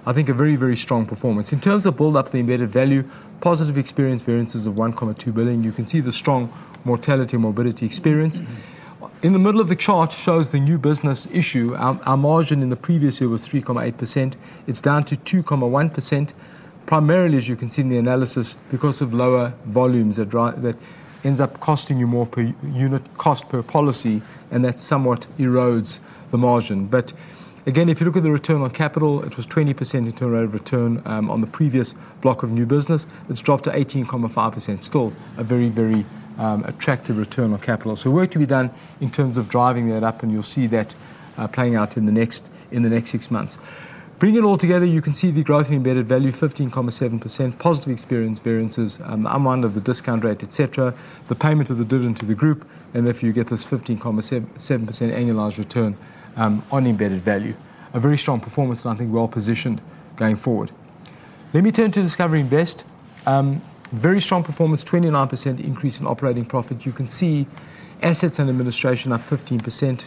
I think a very, very strong performance. In terms of build-up, the embedded value, positive experience variances of 1.2 billion. You can see the strong mortality and morbidity experience. In the middle of the chart shows the new business issue. Our margin in the previous year was 3.8%. It's down to 2.1%, primarily, as you can see in the analysis, because of lower volumes that end up costing you more per unit cost per policy, and that somewhat erodes the margin. Again, if you look at the return on capital, it was 20% rate of return on the previous block of new business. It's dropped to 18.5%, still a very, very attractive return on capital. Work to be done in terms of driving that up, and you'll see that playing out in the next six months. Bringing it all together, you can see the growth in embedded value, 15.7%, positive experience variances, the unwind of the discount rate, et cetera, the payment of the dividend to the group, and therefore you get this 15.7% annualized return on embedded value. A very strong performance and I think well positioned going forward. Let me turn to Discovery Invest. Very strong performance, 29% increase in operating profit. You can see assets and administration up 15%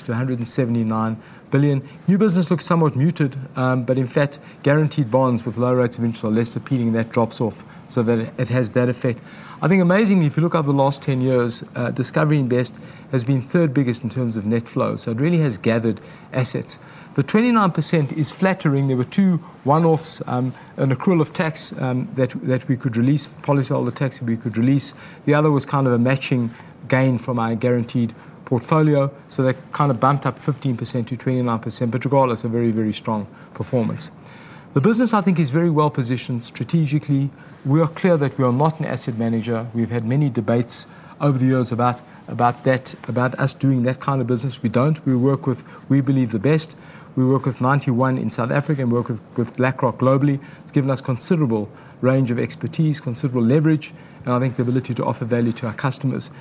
to 179 billion. New business looks somewhat muted, but in fact, guaranteed bonds with low rates of interest are less appealing. That drops off so that it has that effect. I think amazingly, if you look over the last 10 years, Discovery Invest has been third biggest in terms of net flow. It really has gathered assets. The 29% is flattering. There were two one-offs, an accrual of tax that we could release, policyholder tax that we could release. The other was kind of a matching gain from our guaranteed portfolio. That kind of bumped up 15%-29%, but regardless, a very, very strong performance. The business, I think, is very well positioned strategically. We are clear that we are not an asset manager. We've had many debates over the years about that, about us doing that kind of business. We don't. We work with, we believe, the best. We work with Ninety One in South Africa and work with BlackRock globally. It's given us a considerable range of expertise, considerable leverage, and I think the ability to offer value to our customers.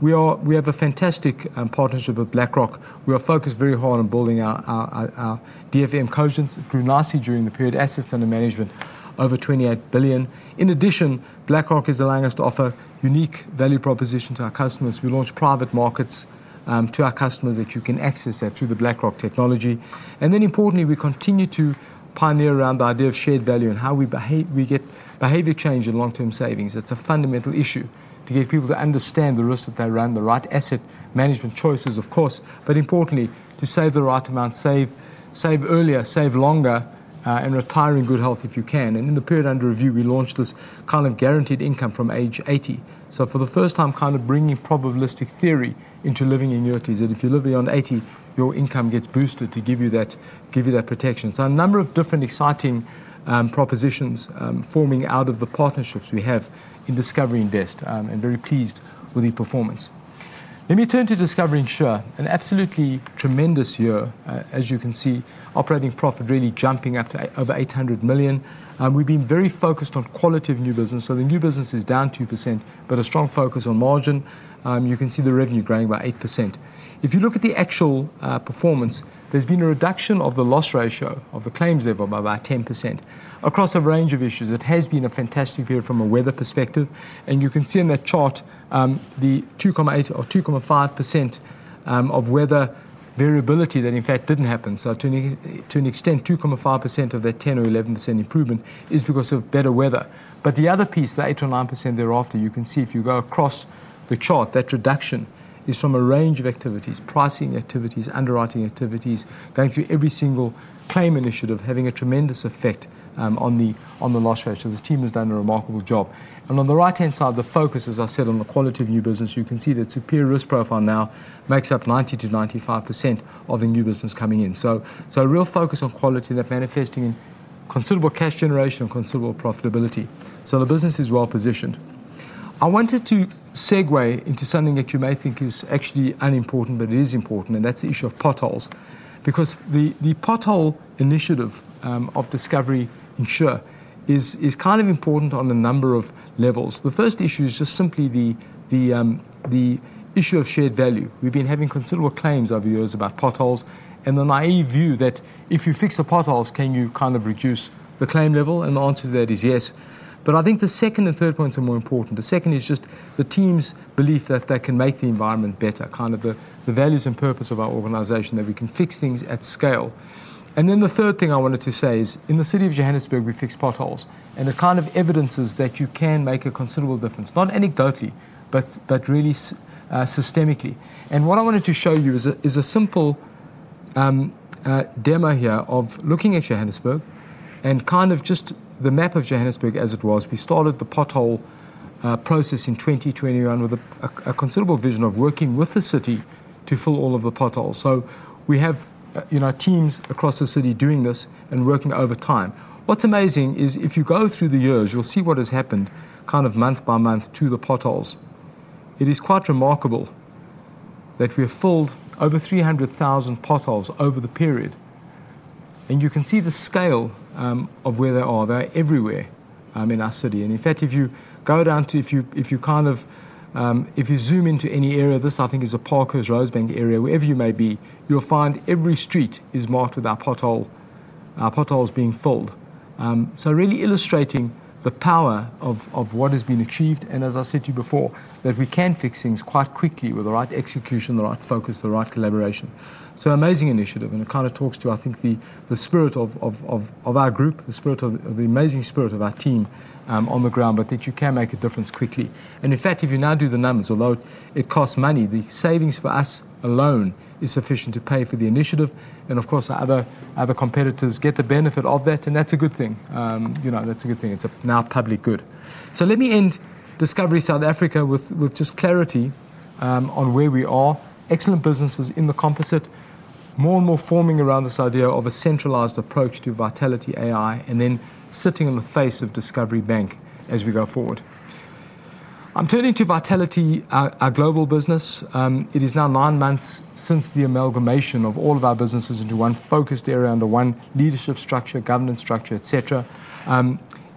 We have a fantastic partnership with BlackRock. We are focused very hard on building our DFM cogents, Gunnarsi, during the period, assets under management, over 28 billion. In addition, BlackRock is allowing us to offer unique value propositions to our customers. We launch private markets to our customers that you can access through the BlackRock technology. Importantly, we continue to pioneer around the idea of shared value and how we get behavior change in long-term savings. It's a fundamental issue to get people to understand the risks that they're around, the right asset management choices, of course, but importantly, to save the right amount, save earlier, save longer, and retire in good health if you can. In the period under review, we launched this kind of guaranteed income from age 80. For the first time, bringing probabilistic theory into living annuities. If you live beyond 80, your income gets boosted to give you that protection. A number of different exciting propositions are forming out of the partnerships we have in Discovery Invest and we are very pleased with the performance. Let me turn to Discovery Insure, an absolutely tremendous year, as you can see, operating profit really jumping up to over 800 million. We've been very focused on quality of new business. The new business is down 2%, but there is a strong focus on margin. You can see the revenue driving by 8%. If you look at the actual performance, there's been a reduction of the loss ratio of the claims level by about 10%. Across a range of issues, it has been a fantastic period from a weather perspective. You can see in that chart the 2.8% or 2.5% of weather variability that, in fact, didn't happen. To an extent, 2.5% of that 10% or 11% improvement is because of better weather. The other piece, the 8% or 9% thereafter, you can see if you go across the chart, that reduction is from a range of activities, pricing activities, underwriting activities, going through every single claim initiative, having a tremendous effect on the loss ratio. This team has done a remarkable job. On the right-hand side, the focus, as I said, on the quality of new business, you can see that superior risk profile now makes up 90%-95% of the new business coming in. A real focus on quality manifests in considerable cash generation and considerable profitability. The business is well positioned. I wanted to segue into something that you may think is actually unimportant, but it is important, and that's the issue of potholes. The pothole initiative of Discovery Insure is kind of important on a number of levels. The first issue is just simply the issue of shared value. We've been having considerable claims over the years about potholes, and the naive view that if you fix the potholes, can you kind of reduce the claim level? The answer to that is yes. I think the second and third points are more important. The second is just the team's belief that they can make the environment better, kind of the values and purpose of our organization, that we can fix things at scale. The third thing I wanted to say is in the city of Johannesburg, we fix potholes. It kind of evidences that you can make a considerable difference, not anecdotally, but really systemically. What I wanted to show you is a simple demo here of looking at Johannesburg and kind of just the map of Johannesburg as it was. We started the pothole process in 2021 with a considerable vision of working with the city to fill all of the potholes. We have teams across the city doing this and working over time. What's amazing is if you go through the years, you'll see what has happened kind of month by month to the potholes. It is quite remarkable that we have filled over 300,000 potholes over the period. You can see the scale of where they are. They're everywhere in our city. In fact, if you go down to, if you kind of, if you zoom into any area, this I think is a park or Rosebank area, wherever you may be, you'll find every street is marked with our pothole, our potholes being filled. Really illustrating the power of what has been achieved. As I said to you before, we can fix things quite quickly with the right execution, the right focus, the right collaboration. It's an amazing initiative, and it kind of talks to, I think, the spirit of our group, the spirit of the amazing spirit of our team on the ground, but that you can make a difference quickly. In fact, if you now do the numbers, although it costs money, the savings for us alone is sufficient to pay for the initiative. Of course, our other competitors get the benefit of that, and that's a good thing. You know, that's a good thing. It's now public good. Let me end Discovery South Africa with just clarity on where we are. Excellent businesses in the composite, more and more forming around this idea of a centralized approach to Vitality AI, and then sitting on the face of Discovery Bank as we go forward. I'm turning to Vitality, our global business. It is now nine months since the amalgamation of all of our businesses into one focused area under one leadership structure, governance structure, et cetera.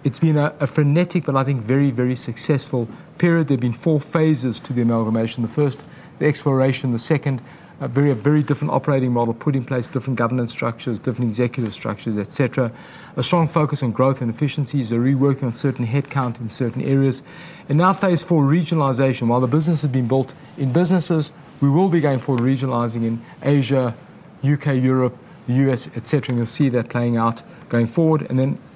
It's been a frenetic, but I think very, very successful period. There have been four phases to the amalgamation. The first, the exploration; the second, a very, very different operating model put in place, different governance structures, different executive structures, et cetera. A strong focus on growth and efficiencies, a reworking of certain headcount in certain areas. Now phase four, regionalization. While the business has been built in businesses, we will be going forward regionalizing in Asia, U.K., Europe, the U.S., et cetera. You'll see that playing out going forward.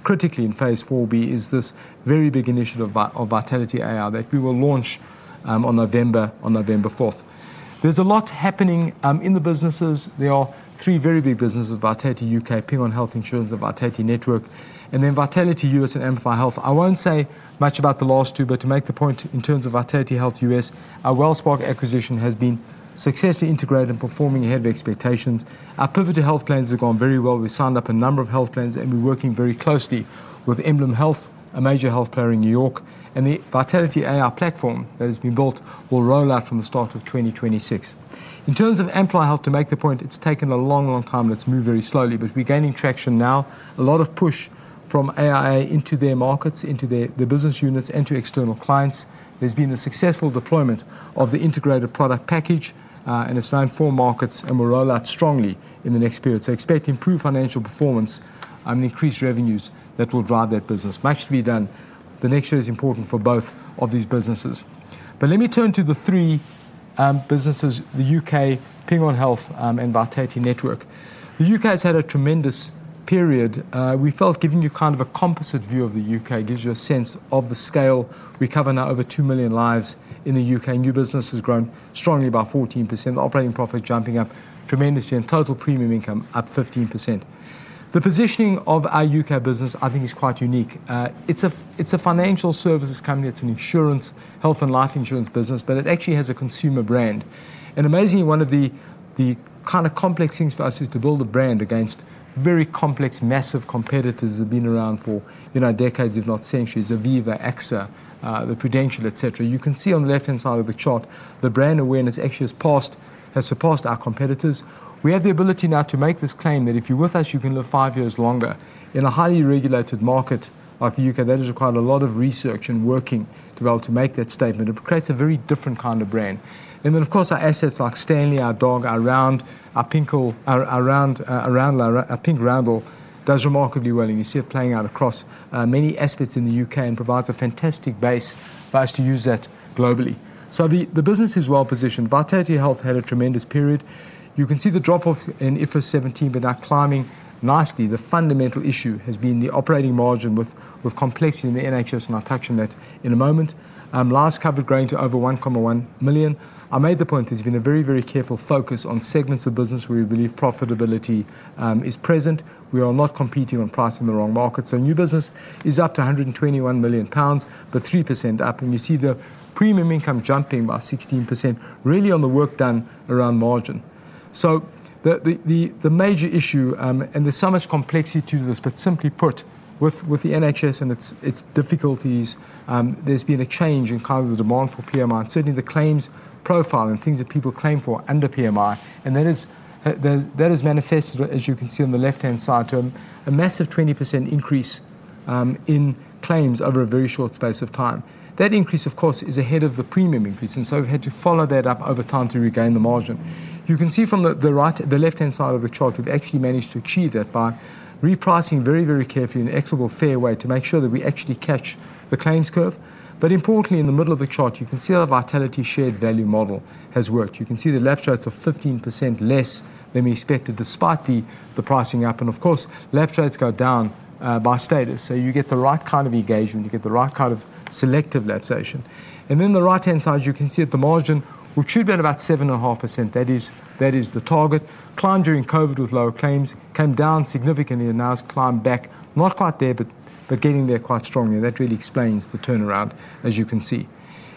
Critically in phase IV-B is this very big initiative of Vitality AI that we will launch on November 4, 2025. There's a lot happening in the businesses. There are three very big businesses: Vitality Health, Ping An Health, and Vitality Network, and then Vitality U.S. and Amplify Health. I won't say much about the last two, but to make the point in terms of Vitality Health U.S., our Wellspark acquisition has been successfully integrated and performing ahead of expectations. Our pivot to health plans has gone very well. We've signed up a number of health plans, and we're working very closely with Emblem Health, a major health player in New York. The Vitality AI platform that has been built will roll out from the start of 2026. In terms of Amplify Health, to make the point, it's taken a long, long time. Let's move very slowly, but we're gaining traction now. A lot of push from AIA into their markets, into their business units, and to external clients. There's been a successful deployment of the integrated product package, and it's now in four markets, and we'll roll out strongly in the next period. Expect improved financial performance and increased revenues that will drive that business. Much to be done. The next year is important for both of these businesses. Let me turn to the three businesses: the U.K., Ping An Health, and Vitality Network. The U.K. has had a tremendous period. We felt giving you kind of a composite view of the U.K. gives you a sense of the scale. We cover now over 2 million lives in the U.K. New business has grown strongly by 14%, operating profit jumping up tremendously, and total premium income up 15%. The positioning of our U.K. business, I think, is quite unique. It's a financial services company. It's an insurance, health, and life insurance business, but it actually has a consumer brand. Amazingly, one of the kind of complex things for us is to build a brand against very complex, massive competitors that have been around for decades, if not centuries: Aviva, AXA, the Prudential, et cetera. You can see on the left-hand side of the chart, the brand awareness actually has surpassed our competitors. We have the ability now to make this claim that if you're with us, you can live five years longer in a highly regulated market of the U.K. That has required a lot of research and working to be able to make that statement. It creates a very different kind of brand. Of course, our assets like Stanley, our dog, our round, our pink Ramble does remarkably well. You see it playing out across many aspects in the U.K. and provides a fantastic base for us to use that globally. The business is well positioned. Vitality Health had a tremendous period. You can see the drop-off in IFRS 17, but now climbing nicely. The fundamental issue has been the operating margin with complexity in the NHS, and I'll touch on that in a moment. Last covered growing to over 1.1 million. I made the point there's been a very, very careful focus on segments of business where we believe profitability is present. We are not competing on price in the wrong markets. New business is up to 121 million pounds, but 3% up. You see the premium income jumping by 16%, really on the work done around margin. The major issue, and there's so much complexity to this, but simply put, with the NHS and its difficulties, there's been a change in kind of the demand for PMI. Certainly, the claims profile and things that people claim for under PMI, and that is manifested, as you can see on the left-hand side, to a massive 20% increase in claims over a very short space of time. That increase, of course, is ahead of the premium increase, and we've had to follow that up over time to regain the margin. You can see from the left-hand side of the chart we've actually managed to achieve that by repricing very, very carefully in an equitable, fair way to make sure that we actually catch the claims curve. Importantly, in the middle of the chart, you can see how Vitality shared value model has worked. You can see the lapse rates are 15% less than we expected, despite the pricing up. Of course, lapse rates go down by status. You get the right kind of engagement. You get the right kind of selective lapse ratio. On the right-hand side, you can see at the margin, which should have been about 7.5%. That is the target. It climbed during COVID with lower claims, came down significantly, and now has climbed back, not quite there, but getting there quite strongly. That really explains the turnaround, as you can see.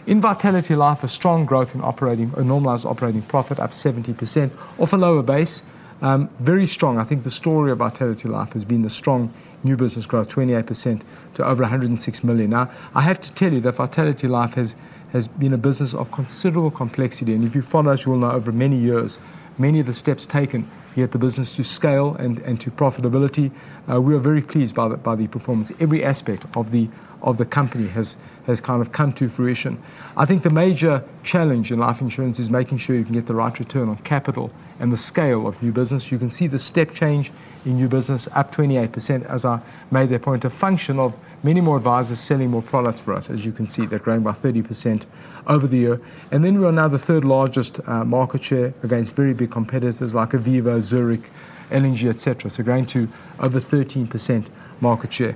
In Vitality Life, strong growth in normalized operating profit is up 70% off a lower base. Very strong. I think the story of Vitality Life has been the strong new business growth, 28% to over 106 million now. I have to tell you that Vitality Life has been a business of considerable complexity. If you follow us, you will know over many years, many of the steps taken to get the business to scale and to profitability. We are very pleased by the performance. Every aspect of the company has kind of come to fruition. I think the major challenge in life insurance is making sure you can get the right return on capital and the scale of new business. You can see the step change in new business up 28%, as I made that point, a function of many more advisors selling more products for us, as you can see, they're growing by 30% over-the-year. We are now the third largest market share against very big competitors like Aviva, Zurich, LNG, etc. Growing to over 13% market share.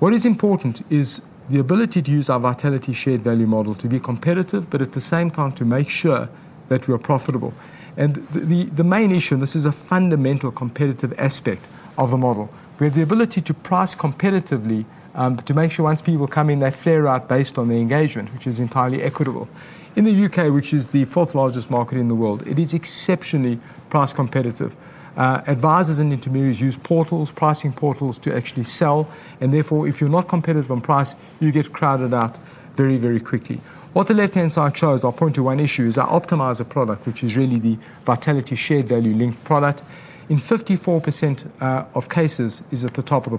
What is important is the ability to use our Vitality shared value model to be competitive, but at the same time to make sure that we are profitable. The main issue, and this is a fundamental competitive aspect of the model, is we have the ability to price competitively to make sure once people come in, they flare out based on the engagement, which is entirely equitable. In the U.K., which is the fourth largest market in the world, it is exceptionally price competitive. Advisors and intermediaries use portals, pricing portals to actually sell. Therefore, if you're not competitive on price, you get crowded out very, very quickly. What the left-hand side shows, I'll point to one issue, is our optimizer product, which is really the Vitality shared value linked product. In 54% of cases, it's at the top of the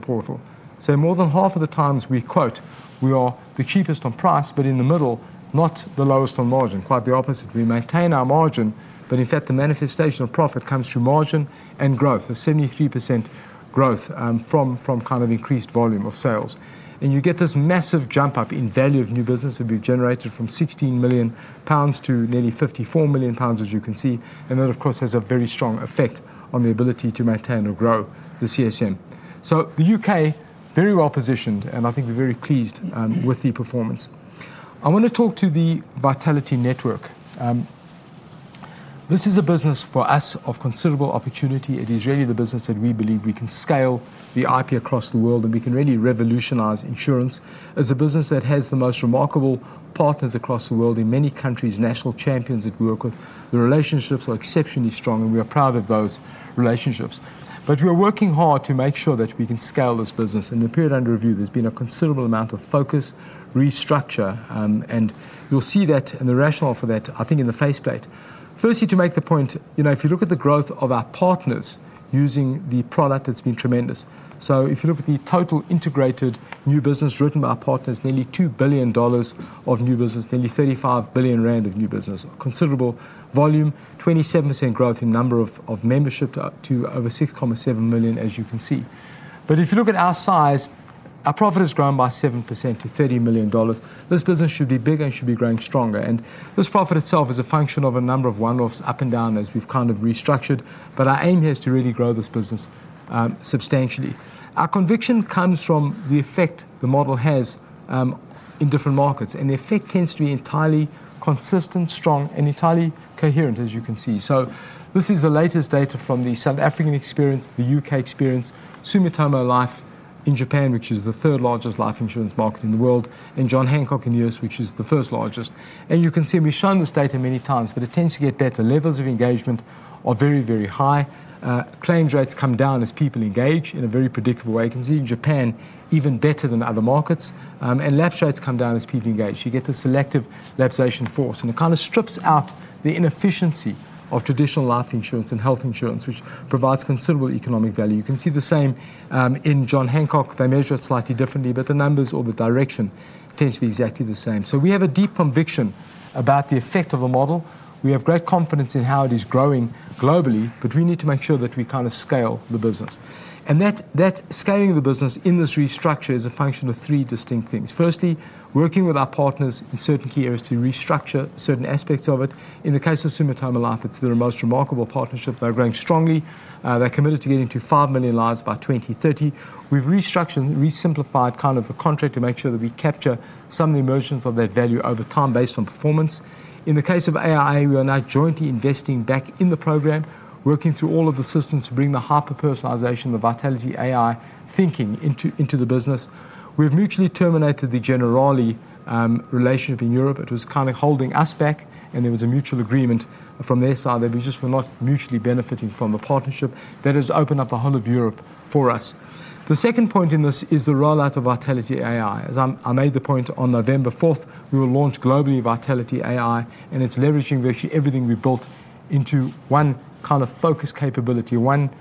portal. More than half of the times we quote, we are the cheapest on price, but in the middle, not the lowest on margin. Quite the opposite. We maintain our margin, but in fact, the manifestation of profit comes through margin and growth, a 73% growth from kind of increased volume of sales. You get this massive jump up in value of new business that we've generated from 16 million pounds to nearly 54 million pounds, as you can see. That, of course, has a very strong effect on the ability to maintain or grow the CSM. The U.K. is very well positioned, and I think we're very pleased with the performance. I want to talk to the Vitality Network. This is a business for us of considerable opportunity. It is really the business that we believe we can scale the IP across the world, and we can really revolutionize insurance. It's a business that has the most remarkable partners across the world in many countries, national champions that work with us. The relationships are exceptionally strong, and we are proud of those relationships. We are working hard to make sure that we can scale this business. In the period under review, there's been a considerable amount of focus, restructure, and you'll see that, and the rationale for that, I think, in the faceplate. Firstly, to make the point, if you look at the growth of our partners using the product, it's been tremendous. If you look at the total integrated new business written by our partners, nearly $2 billion of new business, nearly 35 billion rand of new business, a considerable volume, 27% growth in the number of memberships to over 6.7 million, as you can see. If you look at our size, our profit has grown by 7% to $30 million. This business should be bigger and should be growing stronger. This profit itself is a function of a number of one-offs up and down as we've kind of restructured, but our aim is to really grow this business substantially. Our conviction comes from the effect the model has in different markets, and the effect tends to be entirely consistent, strong, and entirely coherent, as you can see. This is the latest data from the South African experience, the U.K. experience, Sumitomo Life in Japan, which is the third largest life insurance market in the world, and John Hancock in the U.S., which is the first largest. You can see we've shown this data many times, but it tends to get better. Levels of engagement are very, very high. Claims rates come down as people engage in a very predictable way. You can see in Japan even better than other markets, and lapse rates come down as people engage. You get a selective lapse force, and it kind of strips out the inefficiency of traditional life insurance and health insurance, which provides considerable economic value. You can see the same in John Hancock. They measure it slightly differently, but the numbers or the direction tend to be exactly the same. We have a deep conviction about the effect of the model. We have great confidence in how it is growing globally, but we need to make sure that we kind of scale the business. That scaling of the business in this restructure is a function of three distinct things. Firstly, working with our partners in certain key areas to restructure certain aspects of it. In the case of Sumitomo Life, it's their most remarkable partnership. They're growing strongly. They're committed to getting to 5 million lives by 2030. We've restructured and resimplified the contract to make sure that we capture some of the emergence of that value over time based on performance. In the case of AI, we are now jointly investing back in the program, working through all of the systems to bring the hyper-personalization of Vitality AI thinking into the business. We've mutually terminated the Generali relationship in Europe. It was holding us back, and there was a mutual agreement from their side that we just were not mutually benefiting from the partnership. That has opened up all of Europe for us. The second point in this is the rollout of Vitality AI. As I made the point, on November 4th, we will launch globally Vitality AI, and it's leveraging virtually everything we built into one focus capability, one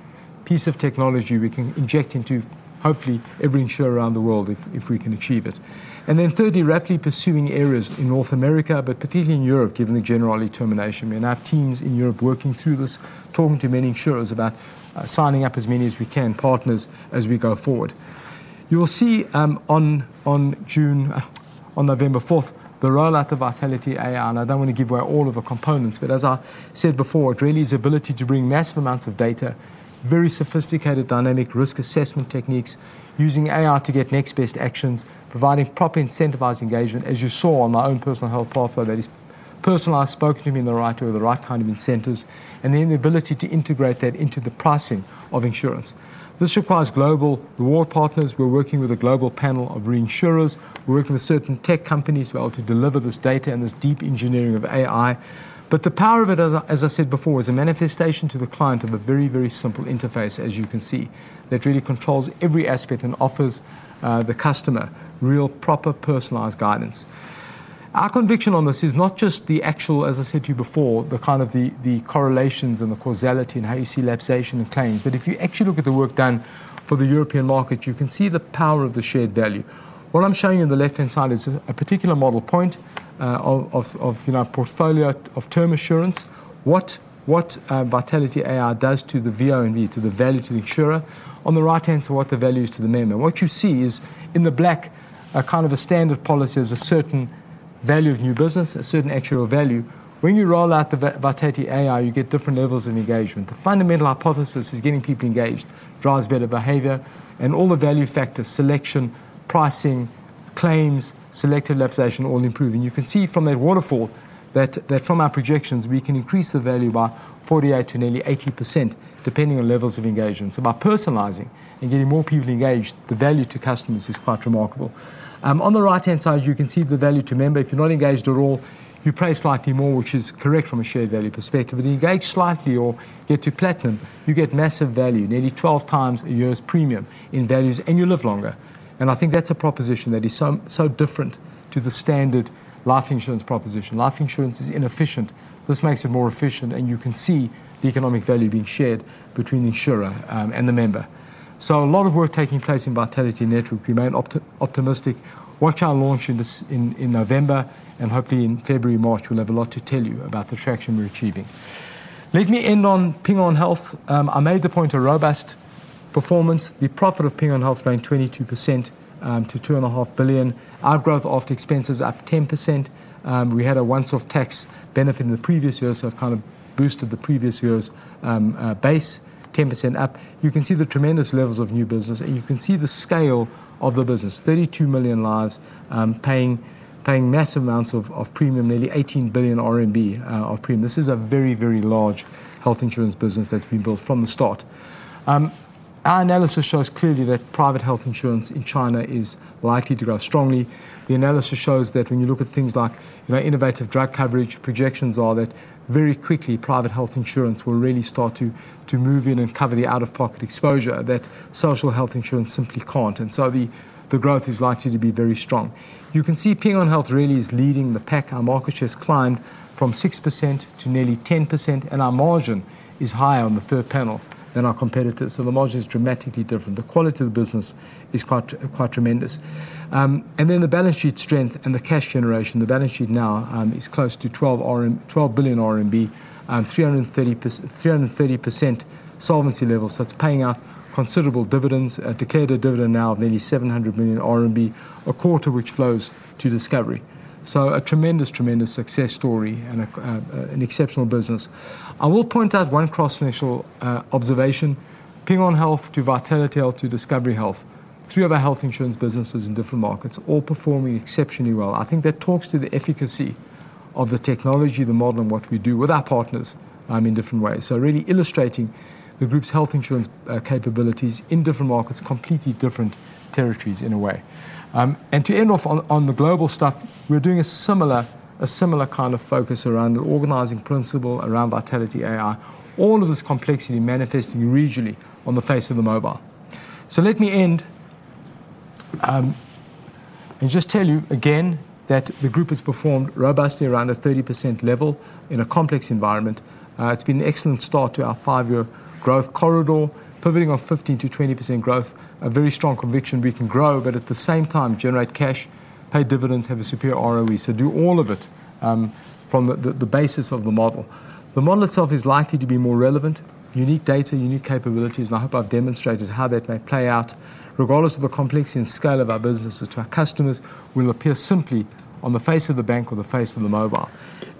piece of technology we can inject into hopefully every insurer around the world if we can achieve it. Thirdly, rapidly pursuing areas in North America, but particularly in Europe, given the Generali termination. We now have teams in Europe working through this, talking to many insurers about signing up as many as we can partners as we go forward. You will see on November 4th the rollout of Vitality AI. I don't want to give away all of the components, but as I said before, it really is the ability to bring massive amounts of data, very sophisticated dynamic risk assessment techniques, using AI to get next best actions, providing proper incentivized engagement, as you saw on my own personal health pathway. That is, personalized, spoken to me in the right way with the right kind of incentives, and then the ability to integrate that into the pricing of insurance. This requires global reward partners. We're working with a global panel of reinsurers. We're working with certain tech companies to be able to deliver this data and this deep engineering of AI. The power of it, as I said before, is a manifestation to the client of a very, very simple interface, as you can see, that really controls every aspect and offers the customer real, proper personalized guidance. Our conviction on this is not just the actual, as I said to you before, the kind of the correlations and the causality and how you see lapse and claims, but if you actually look at the work done for the European market, you can see the power of the shared value. What I'm showing you on the left-hand side is a particular model point of our portfolio of term assurance, what Vitality AI does to the VRNB, to the value to the insurer. On the right-hand side, what the value is to the member. What you see is in the black, kind of a standard policy is a certain value of new business, a certain actual value. When you roll out the Vitality AI, you get different levels of engagement. The fundamental hypothesis is getting people engaged drives better behavior, and all the value factors, selection, pricing, claims, selective lapse all improve. You can see from that waterfall that from our projections, we can increase the value by 48% to nearly 80% depending on levels of engagement. By personalizing and getting more people engaged, the value to customers is quite remarkable. On the right-hand side, you can see the value to member. If you're not engaged at all, you pay slightly more, which is correct from a shared value perspective. If you engage slightly or get to platinum, you get massive value, nearly 12x a year's premium in values, and you live longer. I think that's a proposition that is so different to the standard life insurance proposition. Life insurance is inefficient. This makes it more efficient, and you can see the economic value being shared between the insurer and the member. A lot of work taking place in Vitality Network. We remain optimistic. Watch our launch in November, and hopefully in February, March, we'll have a lot to tell you about the traction we're achieving. Let me end on Ping An Health. I made the point of robust performance. The profit of Ping An Health growing 22% to 2.5 billion. Our growth after expenses up 10%. We had a once-off tax benefit in the previous years, so it kind of boosted the previous year's base, 10% up. You can see the tremendous levels of new business, and you can see the scale of the business. 32 million lives paying massive amounts of premium, nearly 18 billion RMB of premium. This is a very, very large health insurance business that's been built from the start. Our analysis shows clearly that private health insurance in China is likely to grow strongly. The analysis shows that when you look at things like innovative drug coverage, projections are that very quickly private health insurance will really start to move in and cover the out-of-pocket exposure that social health insurance simply can't. The growth is likely to be very strong. You can see Ping An Health really is leading the pack. Our market share has climbed from 6% to nearly 10%, and our margin is higher on the third panel than our competitors. The margin is dramatically different. The quality of the business is quite tremendous. The balance sheet strength and the cash generation, the balance sheet now is close to 12 billion RMB, 330% solvency level. It's paying out considerable dividends, a declared dividend now of nearly 700 million RMB, a quarter which flows to Discovery. A tremendous, tremendous success story and an exceptional business. I will point out one cross-functional observation: Ping An Health to Vitality Health to Discovery Health, three of our health insurance businesses in different markets, all performing exceptionally well. I think that talks to the efficacy of the technology, the model, and what we do with our partners in different ways. Really illustrating the group's health insurance capabilities in different markets, completely different territories in a way. To end off on the global stuff, we're doing a similar kind of focus around an organizing principle around Vitality AI, all of this complexity manifesting regionally on the face of the mobile. Let me end and just tell you again that the group has performed robustly around a 30% level in a complex environment. It's been an excellent start to our five-year growth corridor, pivoting on 15%-20% growth, a very strong conviction we can grow, but at the same time, generate cash, pay dividends, have a superior ROE. Do all of it from the basis of the model. The model itself is likely to be more relevant, unique data, unique capabilities, and I hope I've demonstrated how that may play out. Regardless of the complexity and scale of our businesses, to our customers, we'll appear simply on the face of the bank or the face of the mobile.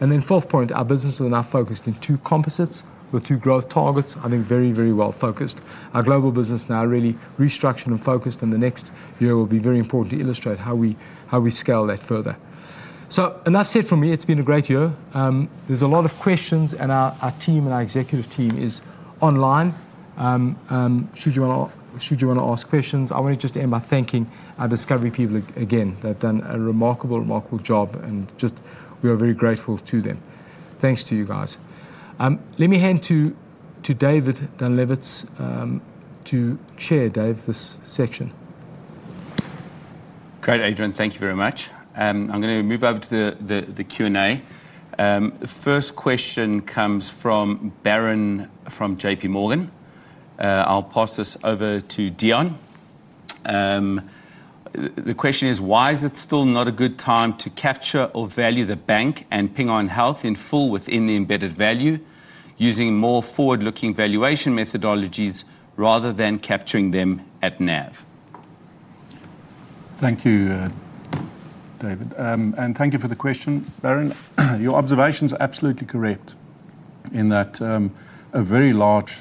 The fourth point, our business is now focused in two composites with two growth targets. I think very, very well focused. Our global business now really restructured and focused, and the next year will be very important to illustrate how we scale that further. That's it from me. It's been a great year. There's a lot of questions, and our team and our executive team is online should you want to ask questions. I want to just end by thanking our Discovery people again. They've done a remarkable, remarkable job, and just we are very grateful to them. Thanks to you guys. Let me hand to David Danilowitz to chair, Dave, this section. Great, Adrian, thank you very much. I'm going to move over to the Q&A. First question comes from Barron from JP Morgan. I'll pass this over to Deon. The question is, why is it still not a good time to capture or value the bank and Ping An Health in full within the embedded value, using more forward-looking valuation methodologies rather than capturing them at NAV? Thank you, David, and thank you for the question, Barron. Your observation is absolutely correct in that a very large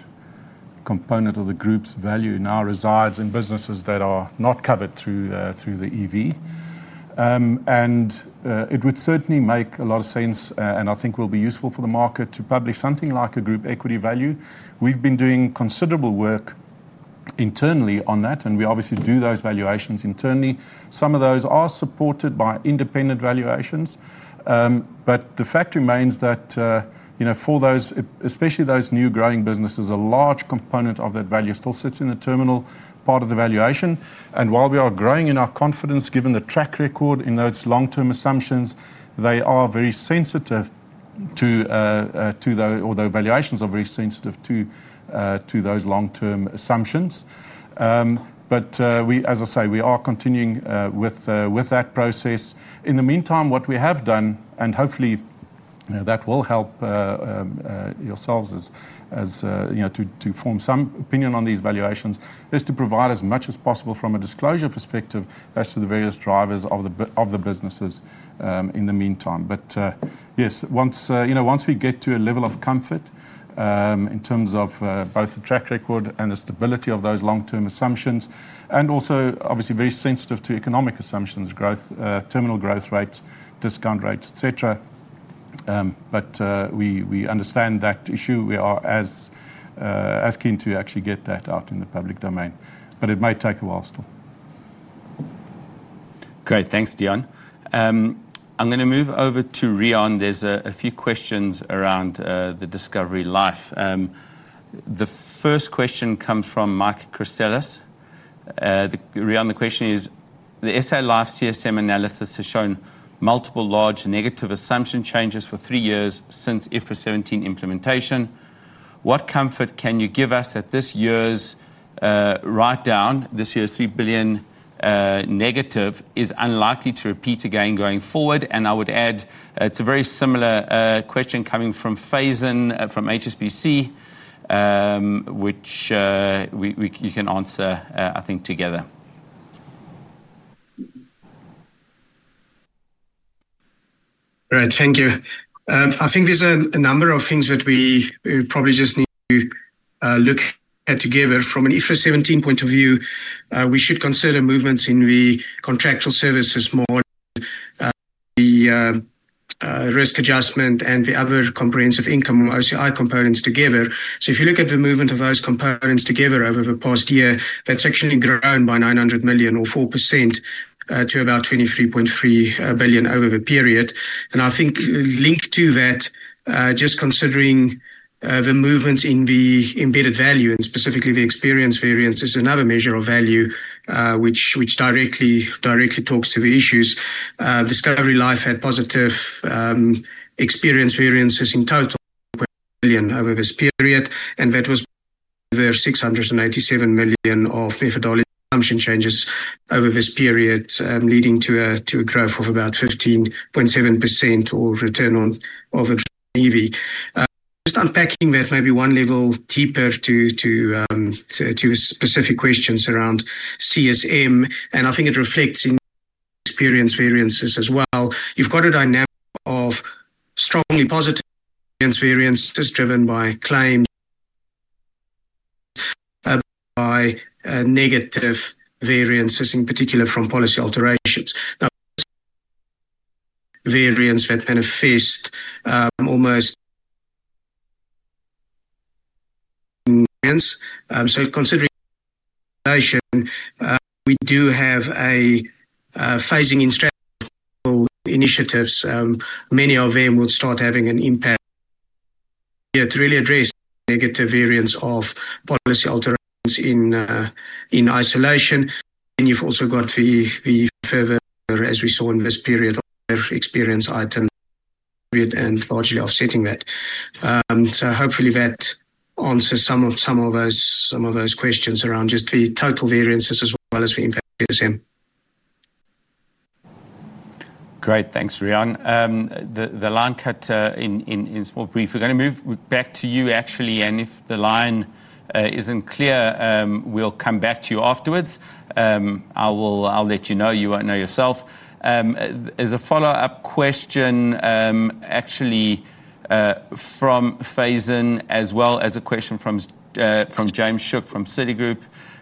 component of the group's value now resides in businesses that are not covered through the EV. It would certainly make a lot of sense, and I think will be useful for the market to publish something like a group equity value. We've been doing considerable work internally on that, and we obviously do those valuations internally. Some of those are supported by independent valuations, but the fact remains that for those, especially those new growing businesses, a large component of that value still sits in the terminal part of the valuation. While we are growing in our confidence, given the track record in those long-term assumptions, they are very sensitive to those, or the valuations are very sensitive to those long-term assumptions. We are continuing with that process. In the meantime, what we have done, and hopefully that will help yourselves to form some opinion on these valuations, is to provide as much as possible from a disclosure perspective as to the various drivers of the businesses in the meantime. Once we get to a level of comfort in terms of both the track record and the stability of those long-term assumptions, and also obviously very sensitive to economic assumptions, growth, terminal growth rates, discount rates, et cetera, we understand that issue. We are as keen to actually get that out in the public domain, but it may take a while still. Great, thanks, Deon. I'm going to move over to Riaan. There's a few questions around Discovery Life. The first question comes from Mark Christellis. Riaan, the question is, the SA Life CSM analysis has shown multiple large negative assumption changes for three years since IFRS 17 implementation. What comfort can you give us that this year's write-down, this year's -3 billion, is unlikely to repeat again going forward? I would add, it's a very similar question coming from Faisal from HSBC, which you can answer, I think, together. Right, thank you. I think there's a number of things that we probably just need to look at together. From an IFRS 17 point of view, we should consider movements in the contractual services more than the risk adjustment and the other comprehensive income, RCI, components together. If you look at the movement of those components together over the past year, that's actually grown by 900 million or 4% to about 23.3 billion over the period. I think linked to that, just considering the movements in the embedded value and specifically the experience variance is another measure of value, which directly talks to the issues. Discovery Life had positive experience variances in total over this period, and that was over 697 million of methodology assumption changes over this period, leading to a growth of about 13.7% or return on over the EV. Just unpacking that maybe one level deeper to specific questions around CSM, I think it reflects in experience variances as well. You've got a dynamic of strongly positive experience variances driven by claims, by negative variances in particular from policy alterations. Now, variance that manifests almost... Considering the relation, we do have a phasing in structural initiatives. Many of them will start having an impact to really address negative variance of policy alterations in isolation. You've also got the further, as we saw in this period, of experience items and largely offsetting that. Hopefully, that answers some of those questions around just the total variances as well as the impact of CSM. Great. Thanks, Riaan. The line cut in briefly. We're going to move back to you, actually. If the line isn't clear, we'll come back to you afterwards. I'll let you know. You won't know yourself. As a follow-up question from Faison, as well as a question from James Shook from Citigroup,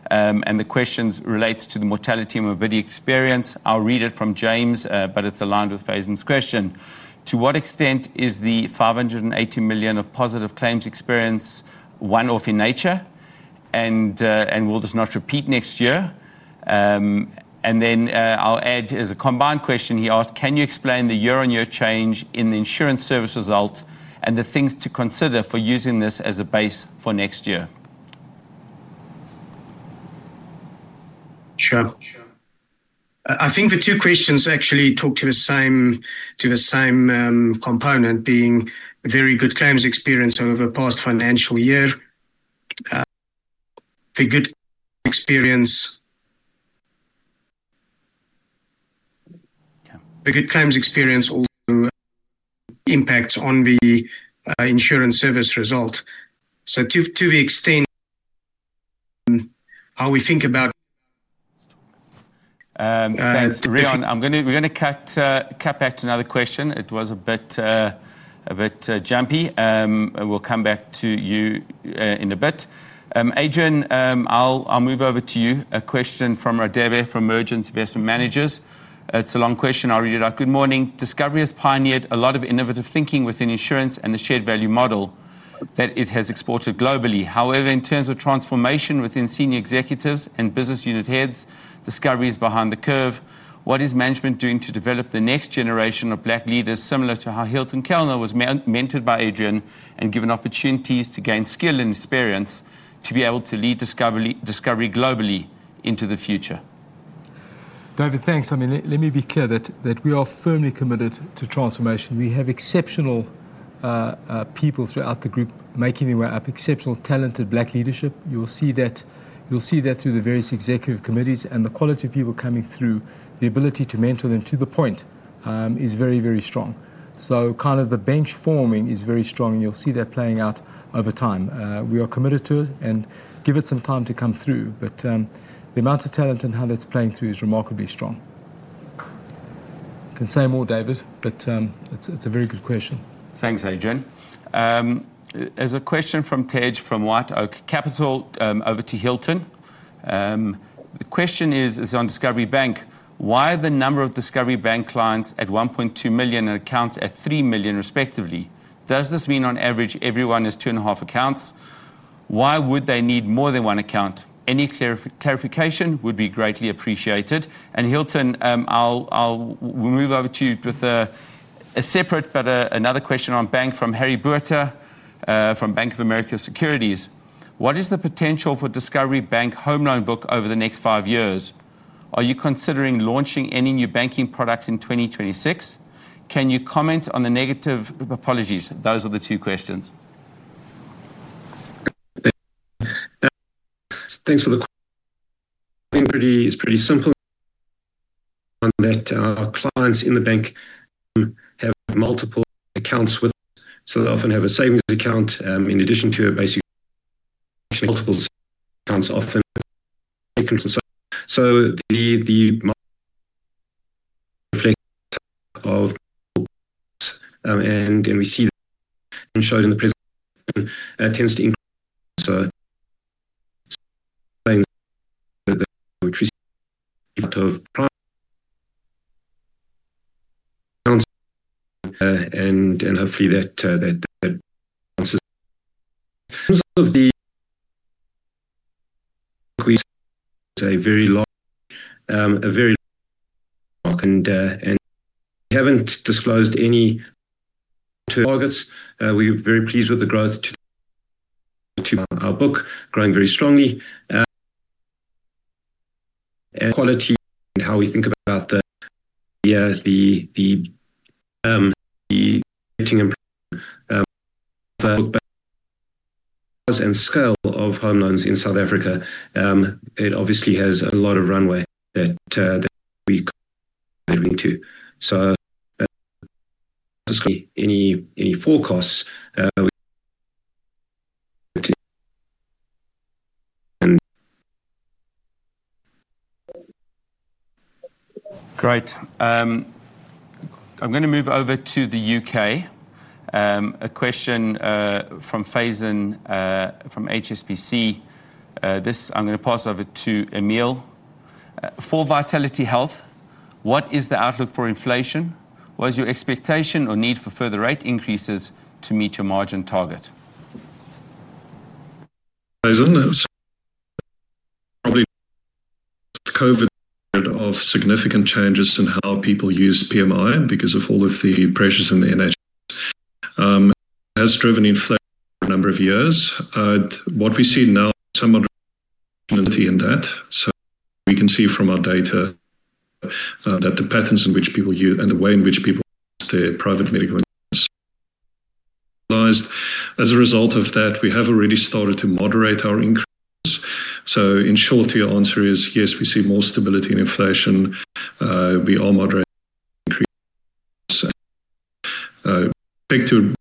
the questions relate to the mortality and morbidity experience. I'll read it from James, but it's aligned with Faison's question. To what extent is the 580 million of positive claims experience one-off in nature? Will this not repeat next year? I'll add, as a combined question, he asked, can you explain the year-on-year change in the insurance service result and the things to consider for using this as a base for next year? Sure. I think the two questions actually talk to the same component, being a very good claims experience over the past financial year. The good claims experience also impacts on the insurance service result. To the extent how we think about... Thanks, Riaan. We're going to cut out another question. It was a bit jumpy. We'll come back to you in a bit. Adrian, I'll move over to you. A question from Radebe from Emergency Investment Managers. It's a long question. I'll read it out. Good morning. Discovery has pioneered a lot of innovative thinking within insurance and the shared value model that it has exported globally. However, in terms of transformation within senior executives and business unit heads, Discovery is behind the curve. What is management doing to develop the next generation of Black leaders similar to how Hylton Kallner was mentored by Adrian and given opportunities to gain skill and experience to be able to lead Discovery globally into the future? David, thanks. Let me be clear that we are firmly committed to transformation. We have exceptional people throughout the group making the way up, exceptional talented Black leadership. You will see that through the various executive committees and the quality of people coming through, the ability to mentor them to the point is very, very strong. The bench forming is very strong. You'll see that playing out over time. We are committed to it and give it some time to come through. The amount of talent and how that's playing through is remarkably strong. Can say more, David, but it's a very good question. Thanks, Adrian. There's a question from Tej from White Oak Capital over to Hylton. The question is on Discovery Bank. Why are the number of Discovery Bank clients at 1.2 million and accounts at 3 million, respectively? Does this mean on average everyone has two and a half accounts? Why would they need more than one account? Any clarification would be greatly appreciated. Hylton, we'll move over to you with a separate, but another question on Bank from Harry Burta from Bank of America Securities. What is the potential for Discovery Bank's home loan book over the next five years? Are you considering launching any new banking products in 2026? Can you comment on the negative apologies? Those are the two questions. Thanks for the question. It's pretty simple in that our clients in the bank have multiple accounts with us. They often have a savings account in addition to basic accounts offered by bankers and so on. The reflect of... We see that shown in the present tends to increase the... Hopefully that... A very long... We haven't disclosed any per August. We're very pleased with the growth to our book, growing very strongly. Quality and how we think about the... Scale of home loans in South Africa, it obviously has a lot of runway that we're going to... Any forecasts. Great. I'm going to move over to the U.K. A question from Faison from HSBC. I'm going to pass over to Emile. For Vitality Health, what is the outlook for inflation? What is your expectation or need for further rate increases to meet your margin target? Faison, it's probably COVID of significant changes in how people use PMI because of all of the pressures in the NHS. It has driven inflation for a number of years. What we see now is some uncertainty in that. We can see from our data that the patterns in which people use and the way in which people use their private medical insurance, as a result of that, we have already started to moderate our increase. In short, your answer is yes, we see more stability in inflation. We are moderating back to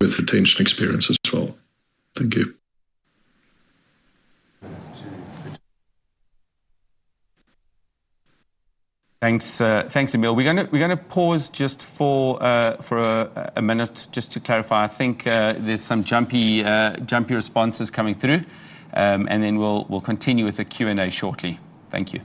with the tension experience as well. Thank you. Thanks, Emile. We're going to pause just for a minute to clarify. I think there's some jumpy responses coming through, and then we'll continue with the Q&A shortly. Thank you.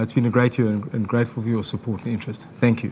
It's been a great year and grateful for your support and interest. Thank you.